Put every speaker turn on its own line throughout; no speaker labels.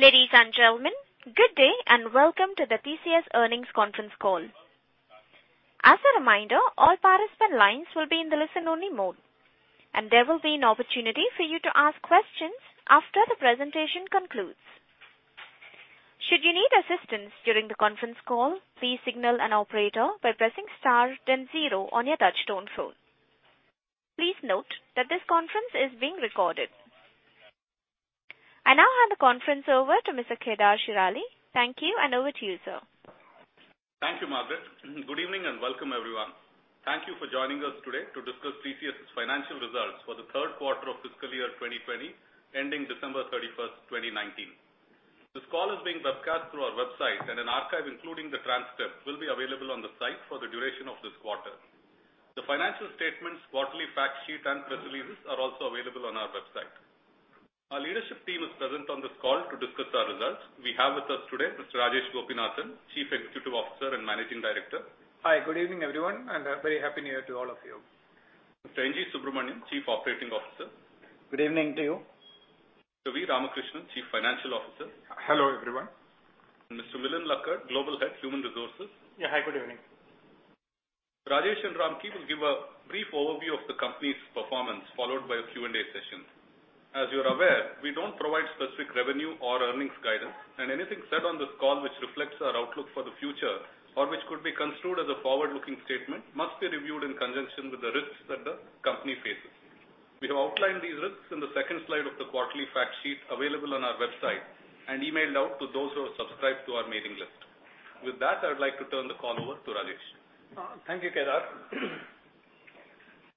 Ladies and gentlemen, good day, and welcome to the TCS earnings conference call. As a reminder, all participant lines will be in the listen-only mode, and there will be an opportunity for you to ask questions after the presentation concludes. Should you need assistance during the conference call, please signal an operator by pressing star then zero on your touch-tone phone. Please note that this conference is being recorded. I now hand the conference over to Mr. Kedar Shirali. Thank you. Over to you, sir.
Thank you, Margreth. Good evening, and welcome everyone. Thank you for joining us today to discuss TCS's financial results for the third quarter of fiscal year 2020, ending December 31st, 2019. This call is being webcast through our website, and an archive, including the transcript, will be available on the site for the duration of this quarter. The financial statements, quarterly fact sheet, and press releases are also available on our website. Our leadership team is present on this call to discuss our results. We have with us today Mr. Rajesh Gopinathan, Chief Executive Officer and Managing Director.
Hi. Good evening, everyone, and a very happy New Year to all of you.
Mr. N. G. Subramaniam, Chief Operating Officer.
Good evening to you.
V. Ramakrishnan, Chief Financial Officer.
Hello, everyone.
Mr. Milind Lakkad, Global Head, Human Resources.
Yeah. Hi, good evening.
Rajesh and Ramki will give a brief overview of the company's performance, followed by a Q&A session. As you are aware, we don't provide specific revenue or earnings guidance, and anything said on this call which reflects our outlook for the future, or which could be construed as a forward-looking statement, must be reviewed in conjunction with the risks that the company faces. We have outlined these risks in the second slide of the quarterly fact sheet available on our website and emailed out to those who have subscribed to our mailing list. With that, I would like to turn the call over to Rajesh.
Thank you, Kedar.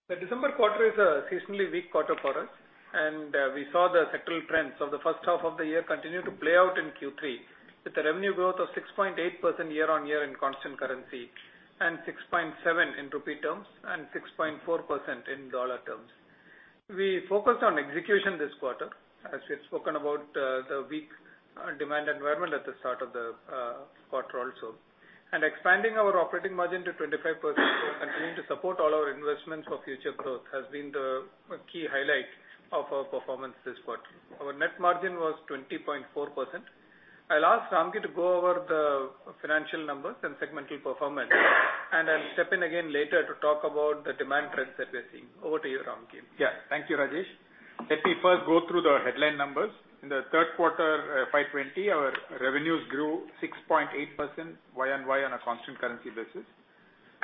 The December quarter is a seasonally weak quarter for us, and we saw the sectoral trends of the first half of the year continue to play out in Q3 with a revenue growth of 6.8% year-on-year in constant currency and 6.7% in rupee terms and 6.4% in USD terms. We focused on execution this quarter, as we had spoken about the weak demand environment at the start of the quarter also. Expanding our operating margin to 25% while continuing to support all our investments for future growth has been the key highlight of our performance this quarter. Our net margin was 20.4%. I'll ask Ramki to go over the financial numbers and segmental performance, and I'll step in again later to talk about the demand trends that we're seeing. Over to you, Ramki.
Thank you, Rajesh. Let me first go through the headline numbers. In the third quarter FY 2020, our revenues grew 6.8% YoY on a constant currency basis.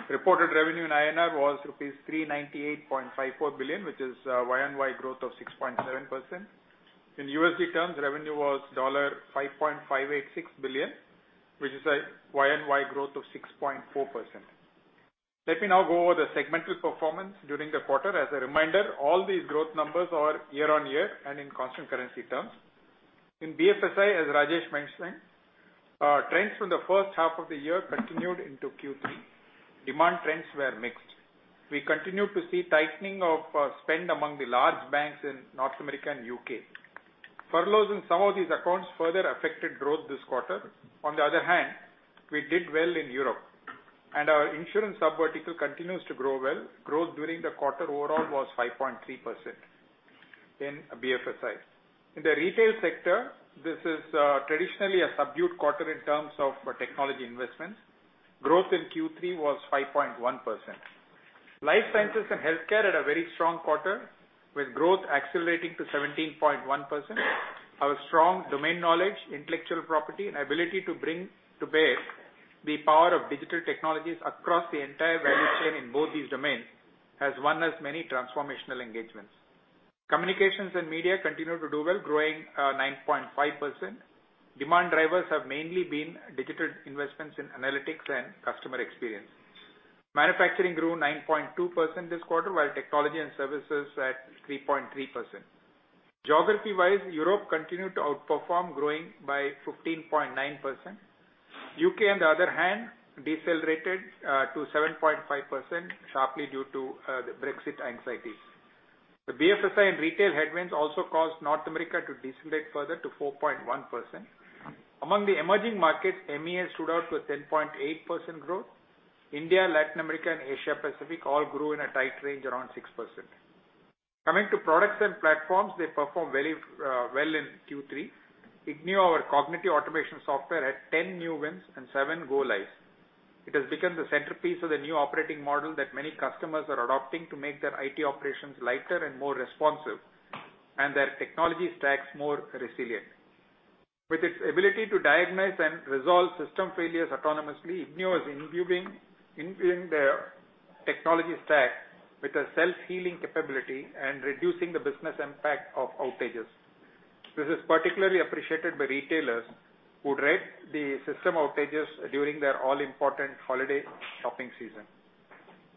Reported revenue in INR was rupees 398.54 billion, which is a YoY growth of 6.7%. In USD terms, revenue was $5.586 billion, which is a YoY growth of 6.4%. Let me now go over the segmental performance during the quarter. As a reminder, all these growth numbers are year-over-year and in constant currency terms. In BFSI, as Rajesh mentioned, trends from the first half of the year continued into Q3. Demand trends were mixed. We continued to see tightening of spend among the large banks in North America and U.K. Furloughs in some of these accounts further affected growth this quarter. On the other hand, we did well in Europe. Our insurance sub-vertical continues to grow well. Growth during the quarter overall was 5.3% in BFSI. In the retail sector, this is traditionally a subdued quarter in terms of technology investments. Growth in Q3 was 5.1%. Life sciences and healthcare had a very strong quarter, with growth accelerating to 17.1%. Our strong domain knowledge, intellectual property, and ability to bring to bear the power of digital technologies across the entire value chain in both these domains has won us many transformational engagements. Communications and media continue to do well, growing 9.5%. Demand drivers have mainly been digital investments in analytics and customer experience. Manufacturing grew 9.2% this quarter, while technology and services at 3.3%. Geography-wise, Europe continued to outperform, growing by 15.9%. U.K., on the other hand, decelerated to 7.5%, sharply due to the Brexit anxieties. The BFSI and retail headwinds also caused North America to decelerate further to 4.1%. Among the emerging markets, MEA stood out with 10.8% growth. India, Latin America, and Asia Pacific all grew in a tight range around 6%. Coming to products and platforms, they performed very well in Q3. Ignio, our cognitive automation software, had 10 new wins and seven go lives. It has become the centerpiece of the new operating model that many customers are adopting to make their IT operations lighter and more responsive and their technology stacks more resilient. With its ability to diagnose and resolve system failures autonomously, ignio is imbuing their technology stack with a self-healing capability and reducing the business impact of outages. This is particularly appreciated by retailers who dread the system outages during their all-important holiday shopping season.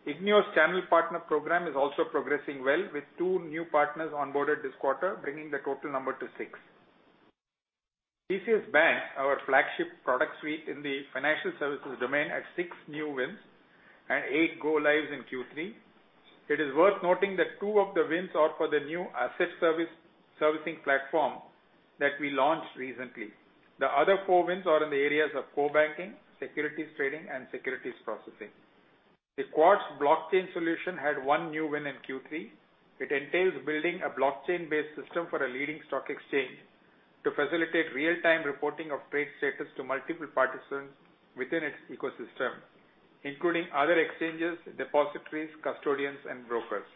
Ignio's channel partner program is also progressing well, with two new partners onboarded this quarter, bringing the total number to six. TCS BaNCS, our flagship product suite in the financial services domain, had six new wins and eight go lives in Q3. It is worth noting that two of the wins are for the new asset servicing platform that we launched recently. The other four wins are in the areas of core banking, securities trading, and securities processing. The TCS Quartz blockchain solution had one new win in Q3. It entails building a blockchain-based system for a leading stock exchange to facilitate real-time reporting of trade status to multiple participants within its ecosystem, including other exchanges, depositories, custodians, and brokers.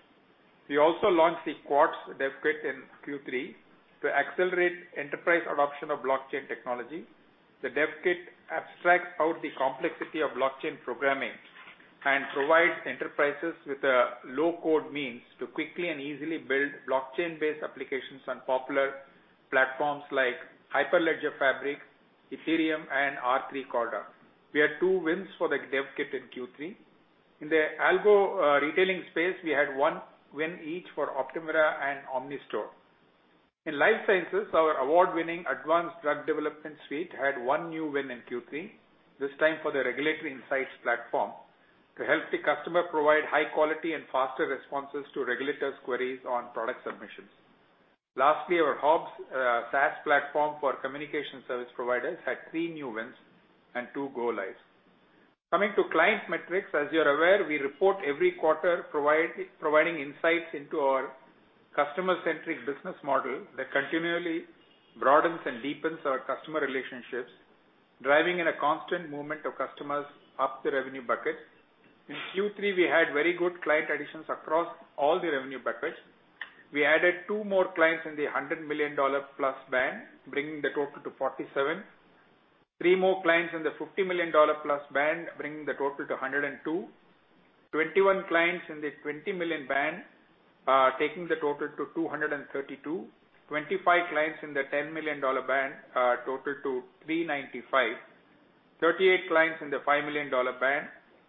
We also launched the Quartz DevKit in Q3 to accelerate enterprise adoption of blockchain technology. The Quartz DevKit abstracts out the complexity of blockchain programming and provides enterprises with a low-code means to quickly and easily build blockchain-based applications on popular platforms like Hyperledger Fabric, Ethereum, and R3 Corda. We had two wins for the Quartz DevKit in Q3. In the Algo Retailing space, we had one win each for TCS Optumera and TCS OmniStore. In life sciences, our award-winning advanced drug development suite had one new win in Q3, this time for the regulatory insights platform to help the customer provide high quality and faster responses to regulators' queries on product submissions. Lastly, our TCS HOBS SaaS platform for communication service providers had three new wins and two go lives. Coming to client metrics, as you're aware, we report every quarter providing insights into our customer-centric business model that continually broadens and deepens our customer relationships, driving in a constant movement of customers up the revenue bucket. In Q3, we had very good client additions across all the revenue buckets. We added 2 more clients in the INR 100 million-plus band, bringing the total to 47. 3 more clients in the INR 50 million-plus band, bringing the total to 102. 21 clients in the 20 million band, taking the total to 232. 25 clients in the INR 10 million band, total to 395. 38 clients in the INR 5 million band,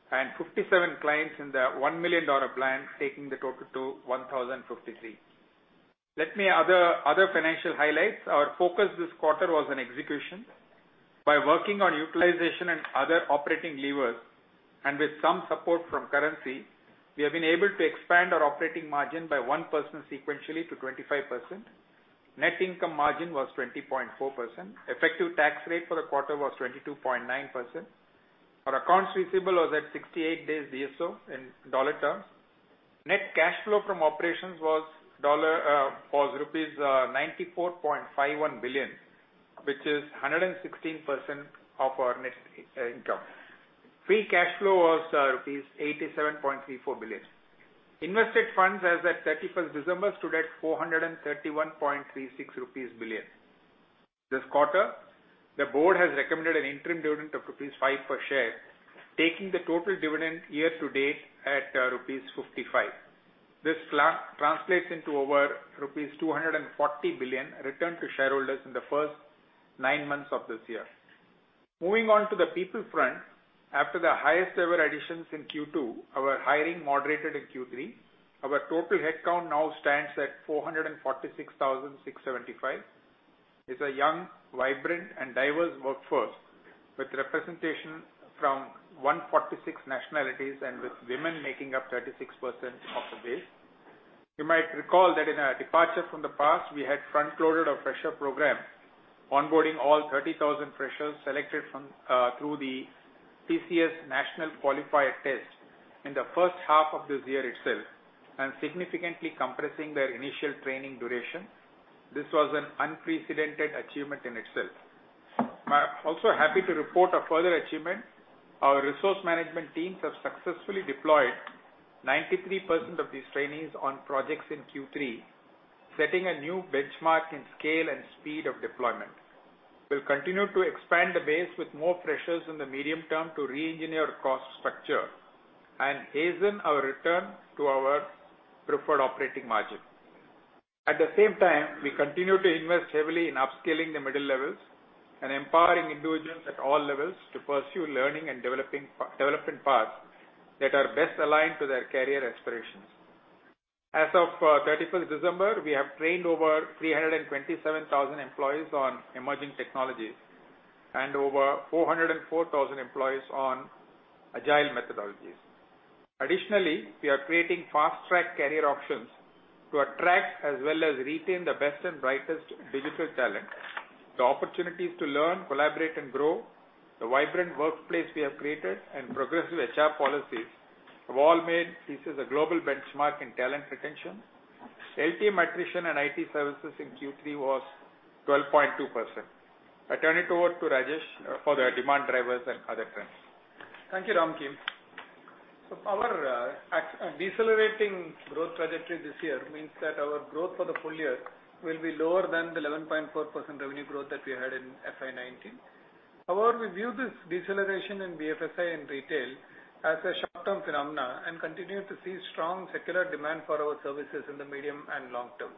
and 57 clients in the INR 1 million band, taking the total to 1,053. Other financial highlights. Our focus this quarter was on execution. By working on utilization and other operating levers, and with some support from currency, we have been able to expand our operating margin by 1% sequentially to 25%. Net income margin was 20.4%. Effective tax rate for the quarter was 22.9%. Our accounts receivable was at 68 days DSO in dollar terms. Net cash flow from operations was rupees 94.51 billion, which is 116% of our net income. Free cash flow was rupees 87.34 billion. Invested funds as at 31st December stood at 431.36 billion rupees. This quarter, the board has recommended an interim dividend of rupees 5 per share, taking the total dividend year to date at rupees 55. This translates into over rupees 240 billion returned to shareholders in the first nine months of this year. Moving on to the people front. After the highest-ever additions in Q2, our hiring moderated in Q3. Our total head count now stands at 446,675. It's a young, vibrant, and diverse workforce with representation from 146 nationalities and with women making up 36% of the base. You might recall that in a departure from the past, we had front-loaded our fresher program, onboarding all 30,000 freshers selected through the TCS National Qualifier Test in the first half of this year itself and significantly compressing their initial training duration. This was an unprecedented achievement in itself. I'm also happy to report a further achievement. Our resource management teams have successfully deployed 93% of these trainees on projects in Q3, setting a new benchmark in scale and speed of deployment. We'll continue to expand the base with more freshers in the medium term to re-engineer our cost structure and hasten our return to our preferred operating margin. At the same time, we continue to invest heavily in upskilling the middle levels and empowering individuals at all levels to pursue learning and development paths that are best aligned to their career aspirations. As of 31st December, we have trained over 327,000 employees on emerging technologies and over 404,000 employees on agile methodologies. Additionally, we are creating fast-track career options to attract as well as retain the best and brightest digital talent. The opportunities to learn, collaborate, and grow, the vibrant workplace we have created, and progressive HR policies have all made TCS a global benchmark in talent retention. LTM attrition and IT services in Q3 was 12.2%. I turn it over to Rajesh for the demand drivers and other trends.
Thank you, Ramki. Our decelerating growth trajectory this year means that our growth for the full year will be lower than the 11.4% revenue growth that we had in FY 2019. However, we view this deceleration in BFSI and retail as a short-term phenomenon and continue to see strong secular demand for our services in the medium and long term.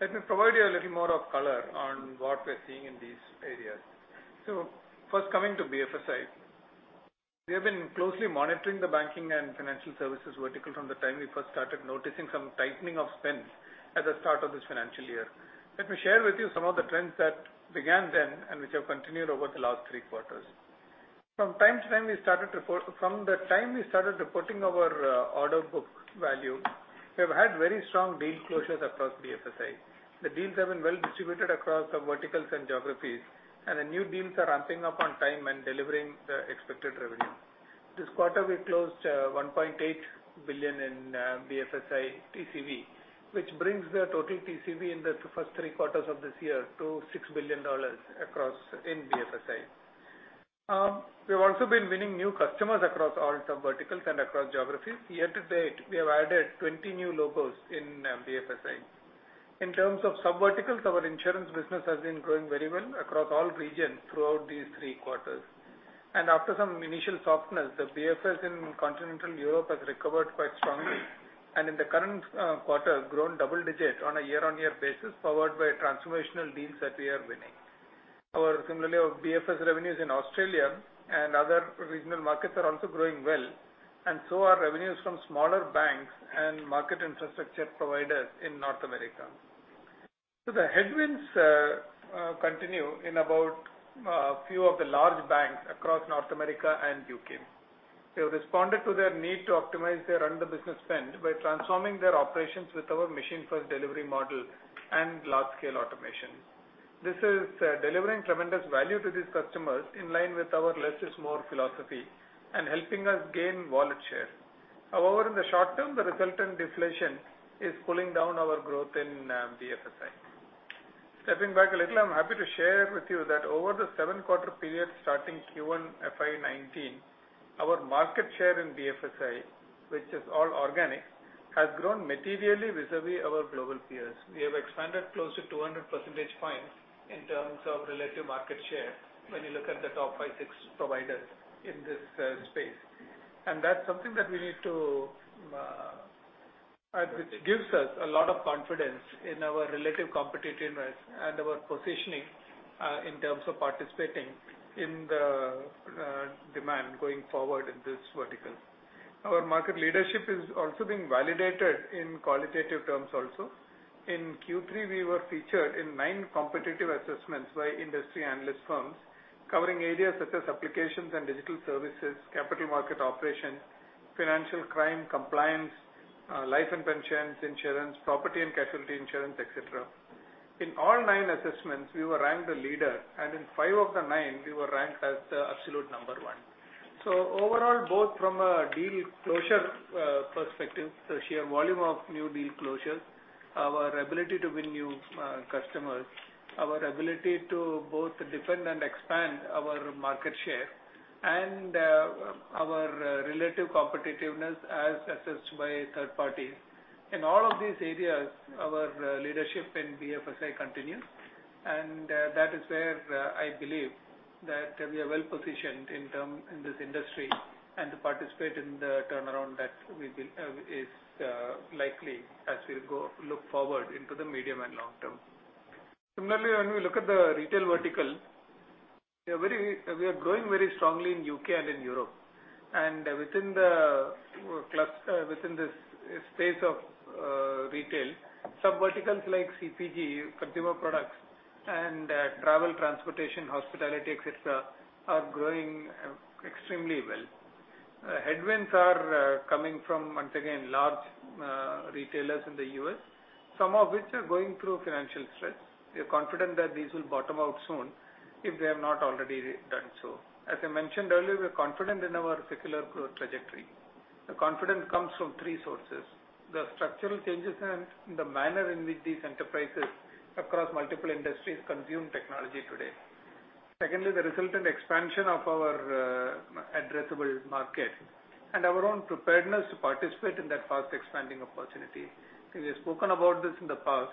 Let me provide you a little more color on what we're seeing in these areas. First coming to BFSI. We have been closely monitoring the banking and financial services vertical from the time we first started noticing some tightening of spend at the start of this financial year. Let me share with you some of the trends that began then and which have continued over the last three quarters. From the time we started reporting our order book value. We have had very strong deal closures across BFSI. The deals have been well distributed across the verticals and geographies, and the new deals are ramping up on time and delivering the expected revenue. This quarter, we closed $1.8 billion in BFSI TCV, which brings the total TCV in the first three quarters of this year to $6 billion in BFSI. We've also been winning new customers across all subverticals and across geographies. Year-to-date, we have added 20 new logos in BFSI. In terms of subverticals, our insurance business has been growing very well across all regions throughout these three quarters. After some initial softness, the BFS in continental Europe has recovered quite strongly, and in the current quarter, grown double digit on a YoY basis, powered by transformational deals that we are winning. Similarly, our BFS revenues in Australia and other regional markets are also growing well, and so are revenues from smaller banks and market infrastructure providers in North America. The headwinds continue in about a few of the large banks across North America and U.K. We have responded to their need to optimize their run-the-business spend by transforming their operations with our Machine First Delivery Model and large-scale automation. This is delivering tremendous value to these customers in line with our less is more philosophy and helping us gain wallet share. However, in the short term, the resultant deflation is pulling down our growth in BFSI. Stepping back a little, I am happy to share with you that over the seven-quarter period starting Q1 FY 2019, our market share in BFSI, which is all organic, has grown materially vis-à-vis our global peers. We have expanded close to 200 percentage points in terms of relative market share when you look at the top five, six providers in this space. That's something that gives us a lot of confidence in our relative competitiveness and our positioning in terms of participating in the demand going forward in this vertical. Our market leadership is also being validated in qualitative terms also. In Q3, we were featured in nine competitive assessments by industry analyst firms covering areas such as applications and digital services, capital market operations, financial crime compliance, life and pensions insurance, property and casualty insurance, et cetera. In all nine assessments, we were ranked the leader, and in five of the nine, we were ranked as the absolute number one. Overall, both from a deal closure perspective, the sheer volume of new deal closures, our ability to win new customers, our ability to both defend and expand our market share, and our relative competitiveness as assessed by third parties. In all of these areas, our leadership in BFSI continues, and that is where I believe that we are well-positioned in this industry and to participate in the turnaround that is likely as we look forward into the medium and long term. Similarly, when we look at the retail vertical, we are growing very strongly in U.K. and in Europe. Within this space of retail, some verticals like CPG, consumer products, and travel, transportation, hospitality, et cetera, are growing extremely well. Headwinds are coming from, once again, large retailers in the U.S., some of which are going through financial stress. We are confident that these will bottom out soon if they have not already done so. As I mentioned earlier, we're confident in our secular growth trajectory. The confidence comes from three sources. The structural changes in the manner in which these enterprises across multiple industries consume technology today. Secondly, the resultant expansion of our addressable market and our own preparedness to participate in that fast-expanding opportunity. We have spoken about this in the past,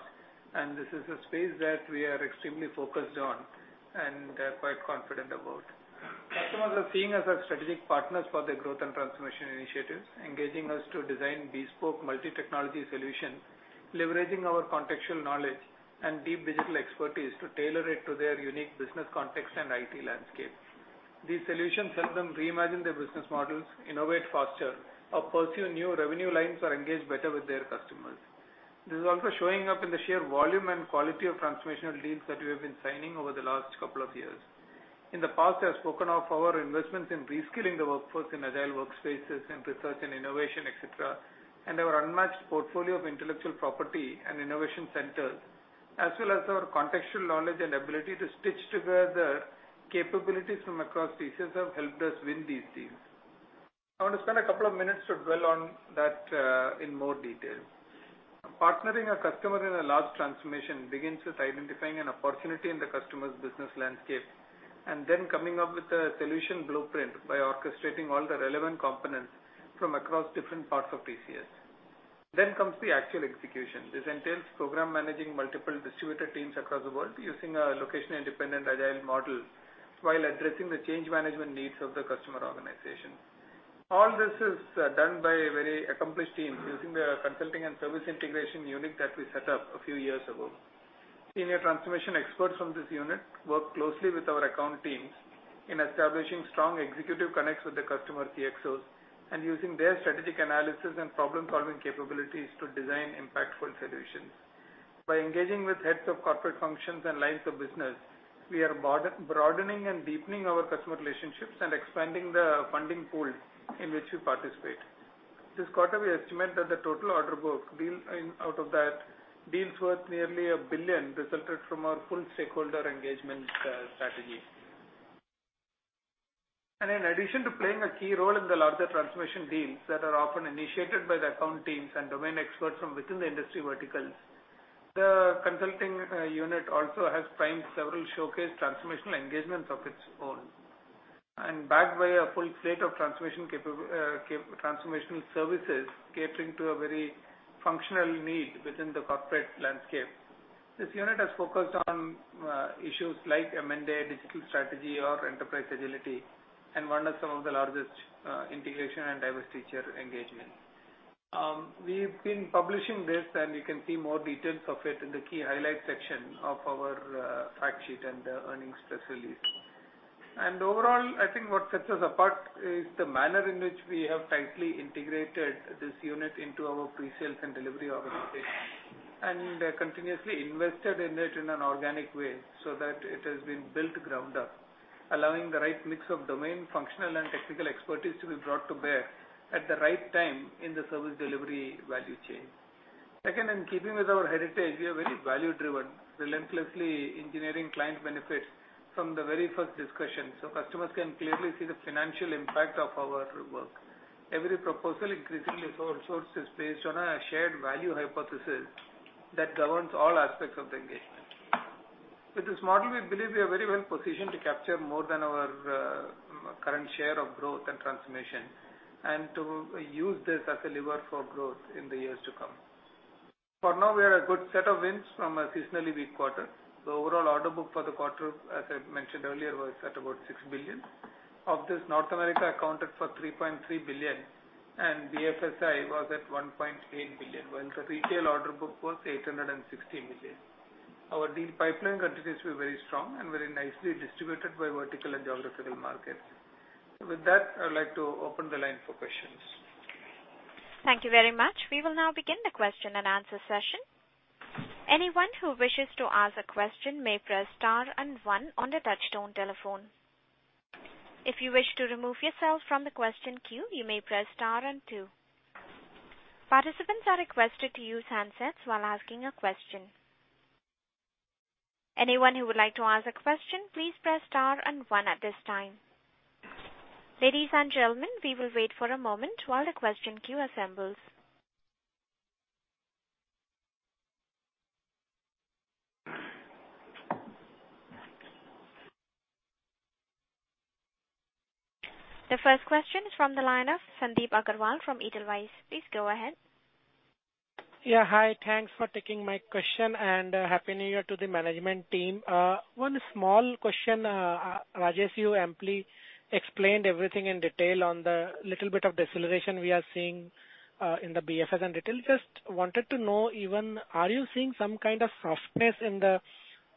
and this is a space that we are extremely focused on and quite confident about. Customers are seeing us as strategic partners for their growth and transformation initiatives, engaging us to design bespoke multi-technology solutions, leveraging our contextual knowledge and deep digital expertise to tailor it to their unique business context and IT landscape. These solutions help them reimagine their business models, innovate faster, or pursue new revenue lines or engage better with their customers. This is also showing up in the sheer volume and quality of transformational deals that we have been signing over the last couple of years. In the past, I've spoken of our investments in reskilling the workforce in agile workspaces, in research and innovation, et cetera, and our unmatched portfolio of intellectual property and innovation centers, as well as our contextual knowledge and ability to stitch together capabilities from across TCS have helped us win these deals. I want to spend a couple of minutes to dwell on that in more detail. Partnering a customer in a large transformation begins with identifying an opportunity in the customer's business landscape and then coming up with a solution blueprint by orchestrating all the relevant components from across different parts of TCS. Comes the actual execution. This entails program managing multiple distributed teams across the world using a Location Independent Agile model while addressing the change management needs of the customer organization. All this is done by a very accomplished team using the consulting and service integration unit that we set up a few years ago. Senior transformation experts from this unit work closely with our account teams in establishing strong executive connects with the customer CxOs and using their strategic analysis and problem-solving capabilities to design impactful solutions. By engaging with heads of corporate functions and lines of business, we are broadening and deepening our customer relationships and expanding the funding pool in which we participate. This quarter, we estimate that the total order book deals worth nearly 1 billion resulted from our full stakeholder engagement strategy. In addition to playing a key role in the larger transformation deals that are often initiated by the account teams and domain experts from within the industry verticals, the consulting unit also has primed several showcase transformational engagements of its own. Backed by a full slate of transformational services catering to a very functional need within the corporate landscape. This unit has focused on issues like amended digital strategy or enterprise agility, and won us some of the largest integration and divestiture engagements. We've been publishing this, and you can see more details of it in the key highlights section of our fact sheet and earnings press release. Overall, I think what sets us apart is the manner in which we have tightly integrated this unit into our pre-sales and delivery organization and continuously invested in it in an organic way so that it has been built ground up, allowing the right mix of domain functional and technical expertise to be brought to bear at the right time in the service delivery value chain. In keeping with our heritage, we are very value-driven, relentlessly engineering client benefits from the very first discussion, so customers can clearly see the financial impact of our work. Every proposal increasingly sources based on a shared value hypothesis that governs all aspects of the engagement. With this model, we believe we are very well positioned to capture more than our current share of growth and transformation and to use this as a lever for growth in the years to come. For now, we have a good set of wins from a seasonally weak quarter. The overall order book for the quarter, as I mentioned earlier, was at about $6 billion. Of this, North America accounted for $3.3 billion and BFSI was at $1.8 billion, while the retail order book was $860 million. Our deal pipeline continues to be very strong and very nicely distributed by vertical and geographical markets. With that, I would like to open the line for questions.
Thank you very much. We will now begin the question and answer session. Anyone who wishes to ask a question may press star and one on the touchtone telephone. If you wish to remove yourself from the question queue, you may press star and two. Participants are requested to use handsets while asking a question. Anyone who would like to ask a question, please press star and one at this time. Ladies and gentlemen, we will wait for a moment while the question queue assembles. The first question is from the line of Sandeep Agarwal from Edelweiss. Please go ahead.
Yeah. Hi. Thanks for taking my question, and Happy New Year to the management team. One small question. Rajesh, you amply explained everything in detail on the little bit of deceleration we are seeing in the BFS and retail. Just wanted to know, even, are you seeing some kind of softness in the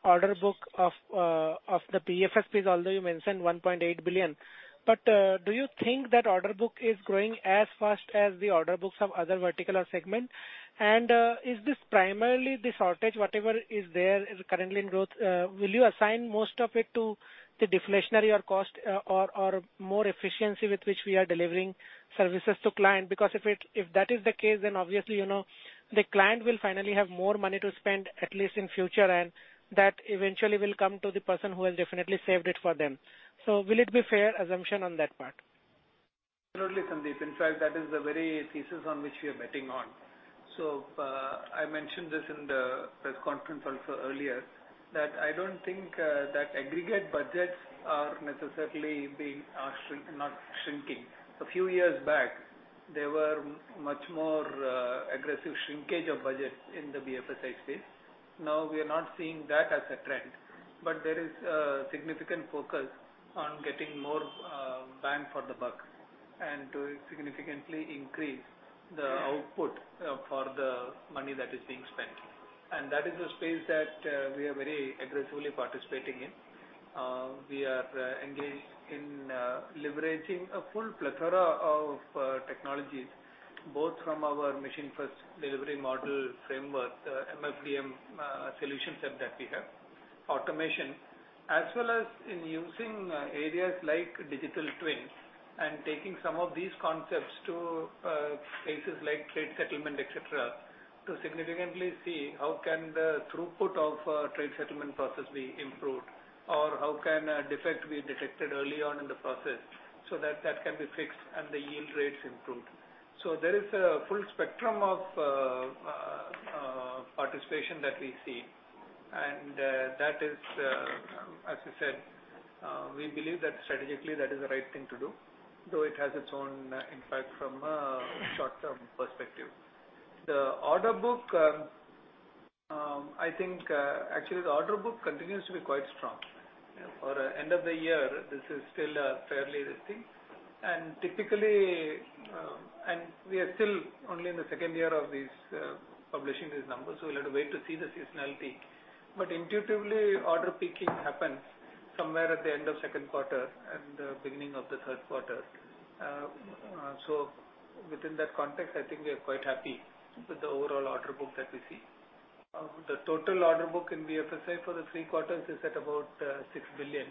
order book of the BFS piece, although you mentioned 1.8 billion. Do you think that order book is growing as fast as the order books of other vertical or segment? Is this primarily the shortage, whatever is there currently in growth, will you assign most of it to the deflationary or cost or more efficiency with which we are delivering services to client? If that is the case, then obviously, the client will finally have more money to spend, at least in future, and that eventually will come to the person who has definitely saved it for them. Will it be fair assumption on that part?
Absolutely, Sandip. In fact, that is the very thesis on which we are betting on. I mentioned this in the press conference also earlier, that I don't think that aggregate budgets are necessarily not shrinking. A few years back, there were much more aggressive shrinkage of budgets in the BFSI space. Now we are not seeing that as a trend, but there is a significant focus on getting more bang for the buck and to significantly increase the output for the money that is being spent. That is the space that we are very aggressively participating in. We are engaged in leveraging a full plethora of technologies, both from our Machine First Delivery Model framework, MFDM solution set that we have, automation, as well as in using areas like digital twins and taking some of these concepts to places like trade settlement, et cetera, to significantly see how can the throughput of trade settlement process be improved, or how can a defect be detected early on in the process so that that can be fixed and the yield rates improved. There is a full spectrum of participation that we see, and as I said, we believe that strategically that is the right thing to do, though it has its own impact from a short-term perspective. The order book continues to be quite strong. For end of the year, this is still fairly the thing. We are still only in the second year of publishing these numbers, so we'll have to wait to see the seasonality. Intuitively, order peaking happened somewhere at the end of second quarter and the beginning of the third quarter. Within that context, I think we are quite happy with the overall order book that we see. The total order book in BFSI for the three quarters is at about 6 billion,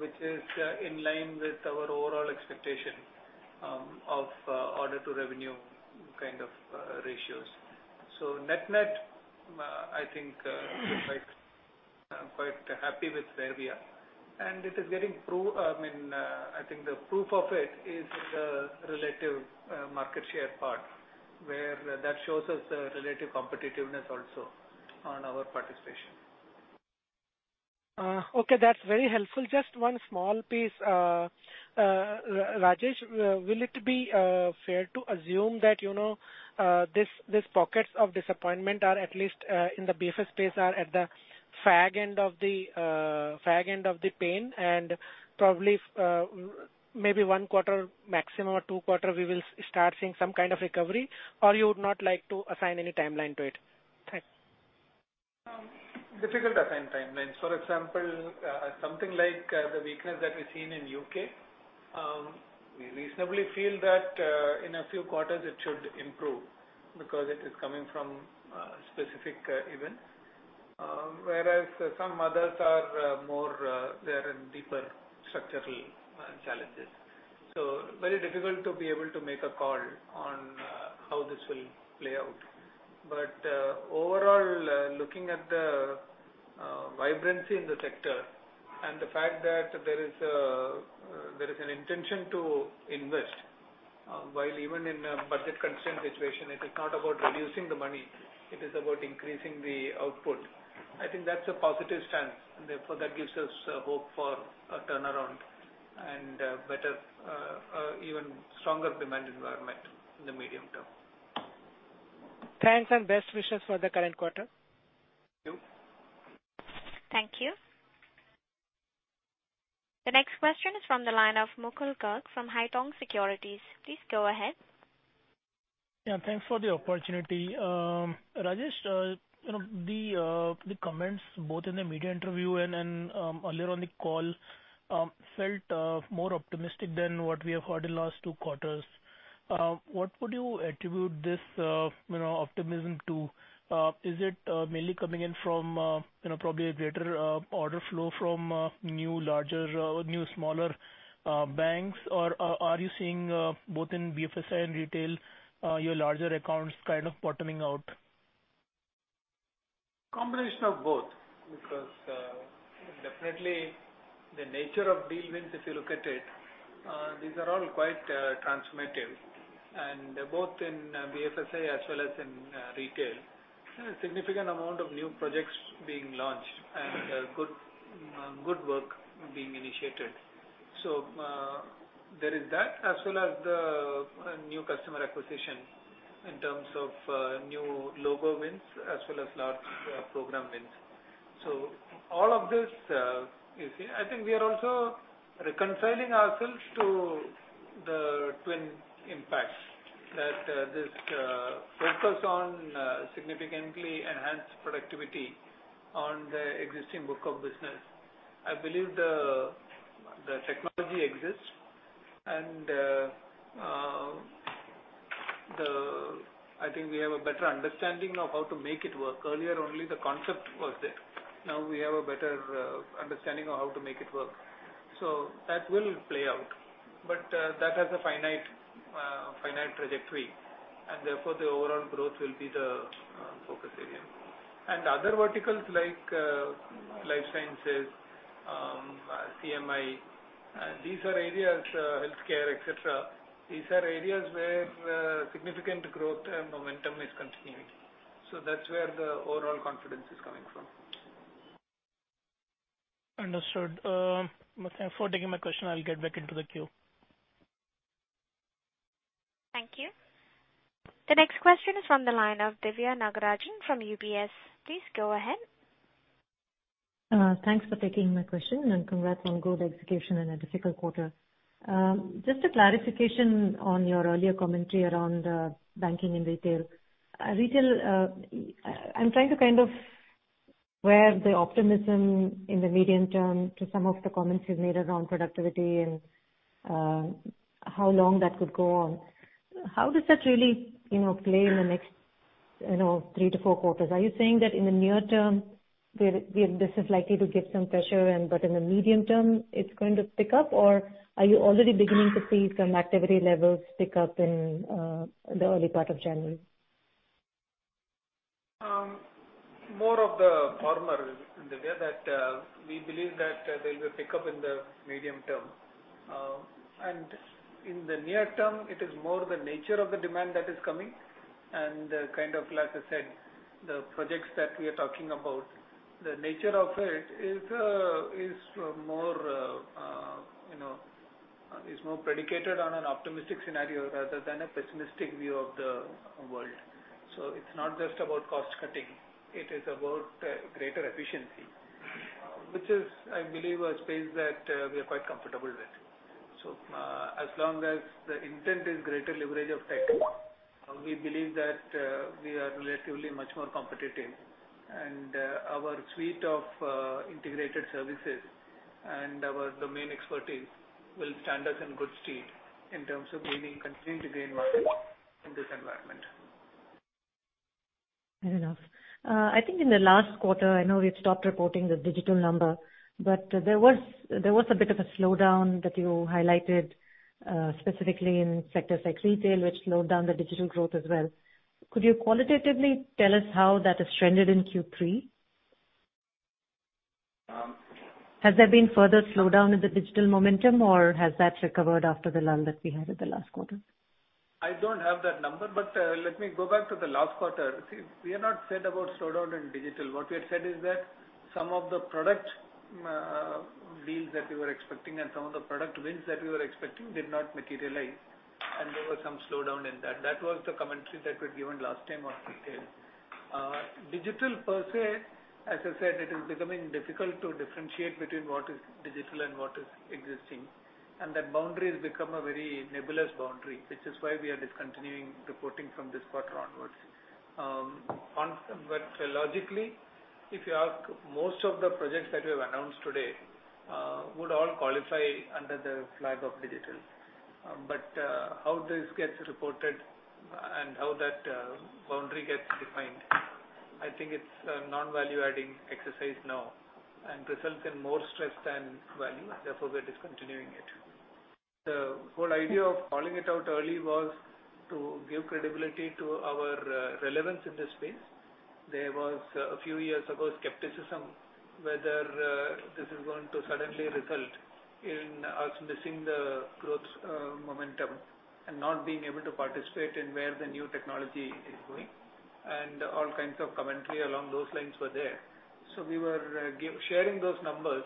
which is in line with our overall expectation of order-to-revenue kind of ratios. Net-net, I think we're quite happy with where we are. I think the proof of it is in the relative market share part, where that shows us the relative competitiveness also on our participation.
Okay. That's very helpful. Just one small piece. Rajesh, will it be fair to assume that these pockets of disappointment are at least in the BFSI space are at the fag end of the pain and probably maybe one quarter maximum or two quarter, we will start seeing some kind of recovery, or you would not like to assign any timeline to it? Thanks.
Difficult to assign timelines. For example, something like the weakness that we're seeing in U.K., we reasonably feel that in a few quarters it should improve because it is coming from a specific event. Whereas some others are more, they're in deeper structural challenges. Very difficult to be able to make a call on how this will play out. Overall, looking at the vibrancy in the sector and the fact that there is an intention to invest while even in a budget-constrained situation, it is not about reducing the money, it is about increasing the output. I think that's a positive stance and therefore that gives us hope for a turnaround and better, even stronger demand environment in the medium term.
Thanks and best wishes for the current quarter.
Thank you.
Thank you. The next question is from the line of Mukul Garg from Haitong Securities. Please go ahead.
Yeah. Thanks for the opportunity. Rajesh, the comments both in the media interview and then earlier on the call felt more optimistic than what we have heard in the last two quarters. What would you attribute this optimism to? Is it mainly coming in from probably a greater order flow from new, smaller banks, or are you seeing both in BFSI and retail your larger accounts kind of bottoming out?
Combination of both because definitely the nature of deal wins, if you look at it, these are all quite transformative and both in BFSI as well as in retail. A significant amount of new projects being launched and good work being initiated. There is that, as well as the new customer acquisition in terms of new logo wins as well as large program wins. All of this, you see. I think we are also reconciling ourselves to the twin impacts that this focus on significantly enhanced productivity on the existing book of business. I believe the technology exists and I think we have a better understanding of how to make it work. Earlier only the concept was there. Now we have a better understanding of how to make it work. That will play out. That has a finite trajectory and therefore the overall growth will be the focus area. Other verticals like life sciences, CMI, healthcare, et cetera, these are areas where significant growth and momentum is continuing. That's where the overall confidence is coming from.
Understood. Thanks for taking my question. I'll get back into the queue.
Thank you. The next question is from the line of Divya Nagarajan from UBS. Please go ahead.
Thanks for taking my question and congrats on growth execution in a difficult quarter. Just a clarification on your earlier commentary around banking and retail. Retail, I'm trying to kind of weigh the optimism in the medium term to some of the comments you've made around productivity and how long that could go on. How does that really play in the next three to four quarters? Are you saying that in the near term, this is likely to give some pressure, but in the medium term it's going to pick up? Or are you already beginning to see some activity levels pick up in the early part of January?
More of the former, Divya. We believe that there'll be a pickup in the medium term. In the near term it is more the nature of the demand that is coming like I said, the projects that we are talking about, the nature of it is more predicated on an optimistic scenario rather than a pessimistic view of the world. It's not just about cost-cutting, it is about greater efficiency, which is, I believe, a space that we are quite comfortable with. As long as the intent is greater leverage of tech, we believe that we are relatively much more competitive and our suite of integrated services and our domain expertise will stand us in good stead in terms of gaining continued gain in this environment.
Fair enough. I think in the last quarter, I know we've stopped reporting the digital number, but there was a bit of a slowdown that you highlighted, specifically in sectors like retail, which slowed down the digital growth as well. Could you qualitatively tell us how that has trended in Q3? Has there been further slowdown in the digital momentum, or has that recovered after the lull that we had in the last quarter?
I don't have that number, but let me go back to the last quarter. See, we are not sad about slowdown in digital. What we had said is that some of the product deals that we were expecting and some of the product wins that we were expecting did not materialize, and there was some slowdown in that. That was the commentary that we'd given last time on retail. Digital per se, as I said, it is becoming difficult to differentiate between what is digital and what is existing, and that boundary has become a very nebulous boundary, which is why we are discontinuing reporting from this quarter onwards. Logically, if you ask, most of the projects that we have announced today would all qualify under the flag of digital. How this gets reported and how that boundary gets defined, I think it's a non-value adding exercise now and results in more stress than value. Therefore, we are discontinuing it. The whole idea of calling it out early was to give credibility to our relevance in this space. There was, a few years ago, skepticism whether this is going to suddenly result in us missing the growth momentum and not being able to participate in where the new technology is going, and all kinds of commentary along those lines were there. We were sharing those numbers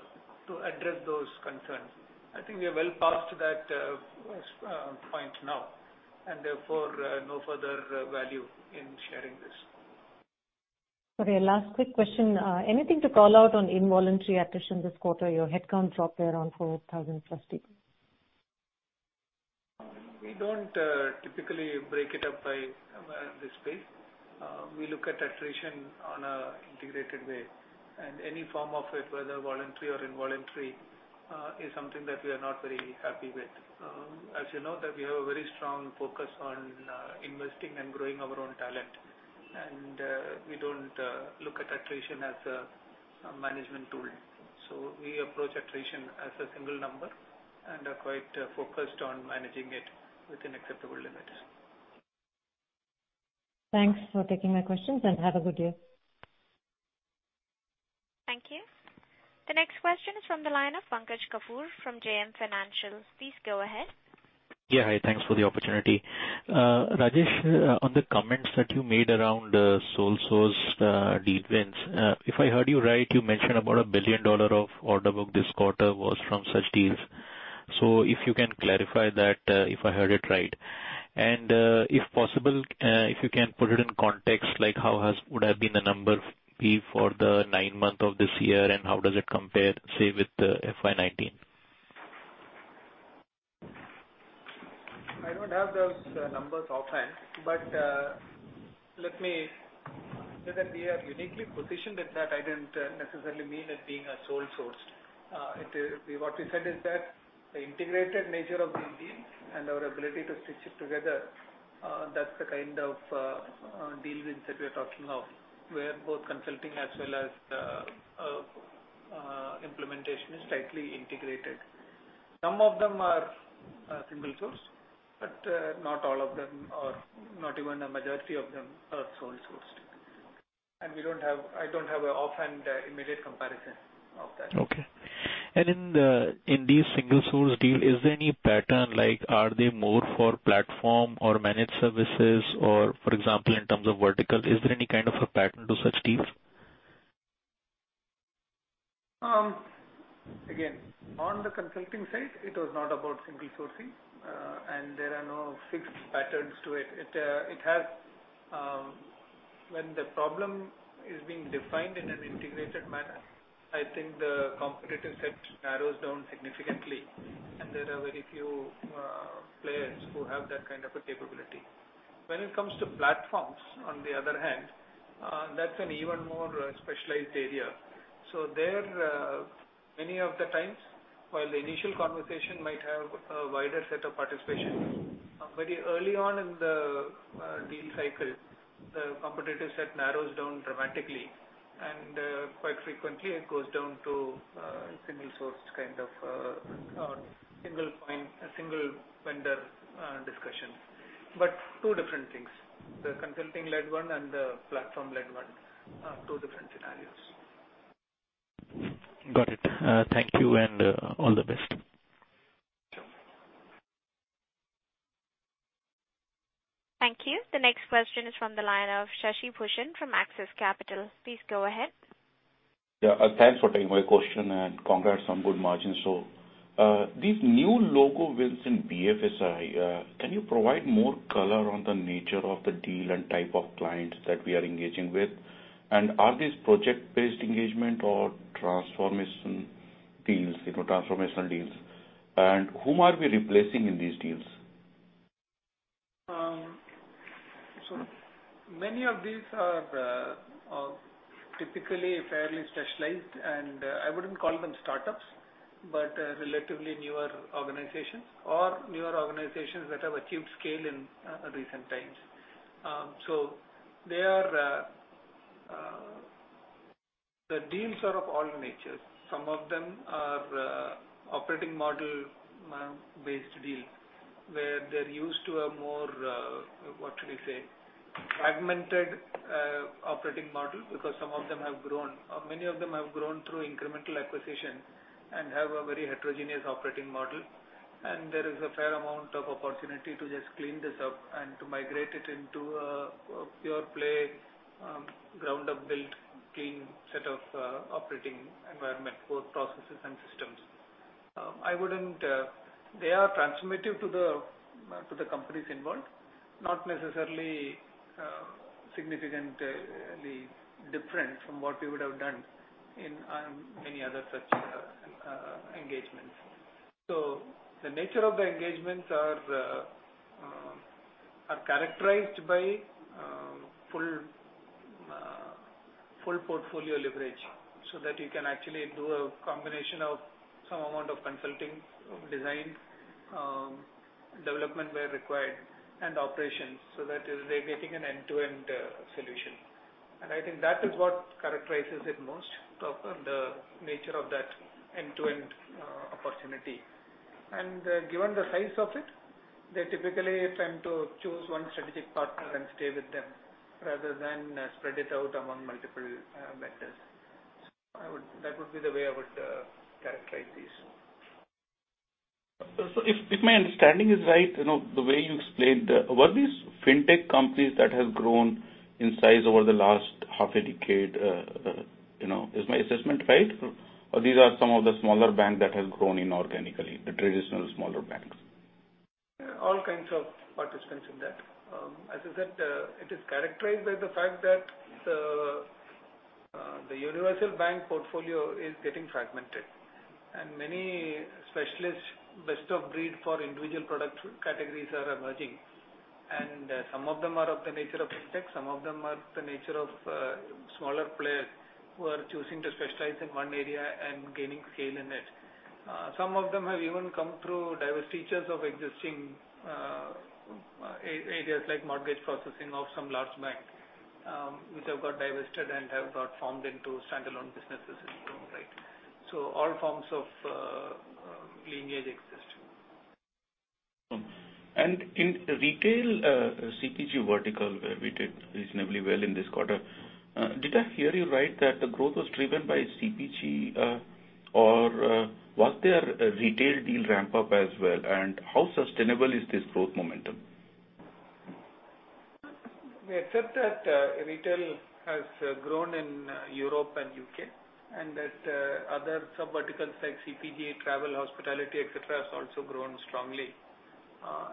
to address those concerns. I think we are well past that point now, and therefore, no further value in sharing this.
Okay, last quick question. Anything to call out on involuntary attrition this quarter? Your headcount dropped around 4,000 plus people.
We don't typically break it up by the space. We look at attrition on a integrated way, and any form of it, whether voluntary or involuntary, is something that we are not very happy with. As you know, that we have a very strong focus on investing and growing our own talent, and we don't look at attrition as a management tool. We approach attrition as a single number and are quite focused on managing it within acceptable limits.
Thanks for taking my questions, and have a good day.
Thank you. The next question is from the line of Pankaj Kapoor from JM Financial. Please go ahead.
Yeah, hi. Thanks for the opportunity. Rajesh, on the comments that you made around sole source deal wins, if I heard you right, you mentioned about $1 billion of order book this quarter was from such deals. If you can clarify that if I heard it right. If possible, if you can put it in context, how would have been the number be for the nine month of this year, and how does it compare, say, with FY 2019?
I don't have those numbers offhand. That we are uniquely positioned at that, I didn't necessarily mean it being a sole source. What we said is that the integrated nature of these deals and our ability to stitch it together, that's the kind of deal wins that we're talking of, where both consulting as well as implementation is tightly integrated. Some of them are single source. Not all of them, or not even a majority of them are sole sourced. I don't have an offhand immediate comparison of that.
Okay. In these single source deal, is there any pattern? Are they more for platform or managed services or, for example, in terms of vertical, is there any kind of a pattern to such deals?
On the consulting side, it was not about single sourcing. There are no fixed patterns to it. When the problem is being defined in an integrated manner, I think the competitive set narrows down significantly, and there are very few players who have that kind of a capability. When it comes to platforms, on the other hand, that's an even more specialized area. There, many of the times, while the initial conversation might have a wider set of participation, very early on in the deal cycle, the competitive set narrows down dramatically, and quite frequently, it goes down to a single source kind of a single vendor discussion. Two different things. The consulting-led one and the platform-led one are two different scenarios.
Got it. Thank you, and all the best.
Thank you.
Thank you. The next question is from the line of Shashi Bhushan from Axis Capital. Please go ahead.
Yeah, thanks for taking my question, and congrats on good margins. These new logo wins in BFSI, can you provide more color on the nature of the deal and type of clients that we are engaging with? Are these project-based engagement or transformational deals? Whom are we replacing in these deals?
Many of these are typically fairly specialized, and I wouldn't call them startups, but relatively newer organizations or newer organizations that have achieved scale in recent times. The deals are of all natures. Some of them are operating model-based deals, where they're used to a more, what should I say, fragmented operating model because many of them have grown through incremental acquisitions and have a very heterogeneous operating model. There is a fair amount of opportunity to just clean this up and to migrate it into a pure play, ground-up built, clean set of operating environment for processes and systems. They are transformative to the companies involved, not necessarily significantly different from what we would have done in many other such engagements. The nature of the engagements are characterized by full portfolio leverage so that you can actually do a combination of some amount of consulting, design, development where required, and operations. That is they're getting an end-to-end solution. I think that is what characterizes it most of the nature of that end-to-end opportunity. Given the size of it, they typically tend to choose one strategic partner and stay with them rather than spread it out among multiple vendors. That would be the way I would characterize this.
If my understanding is right, the way you explained, were these fintech companies that have grown in size over the last half a decade. Is my assessment right? Or these are some of the smaller banks that have grown inorganically, the traditional smaller banks?
All kinds of participants in that. As I said, it is characterized by the fact that the universal bank portfolio is getting fragmented, and many specialists best of breed for individual product categories are emerging. Some of them are of the nature of fintech. Some of them are the nature of smaller players who are choosing to specialize in one area and gaining scale in it. Some of them have even come through divestitures of existing areas like mortgage processing of some large bank, which have got divested and have got formed into standalone businesses in their own right. All forms of lineage exist.
In retail CPG vertical, we did reasonably well in this quarter. Did I hear you right that the growth was driven by CPG? Was there a retail deal ramp-up as well, and how sustainable is this growth momentum?
We accept that retail has grown in Europe and U.K. and that other sub verticals like CPG, travel, hospitality, et cetera, has also grown strongly.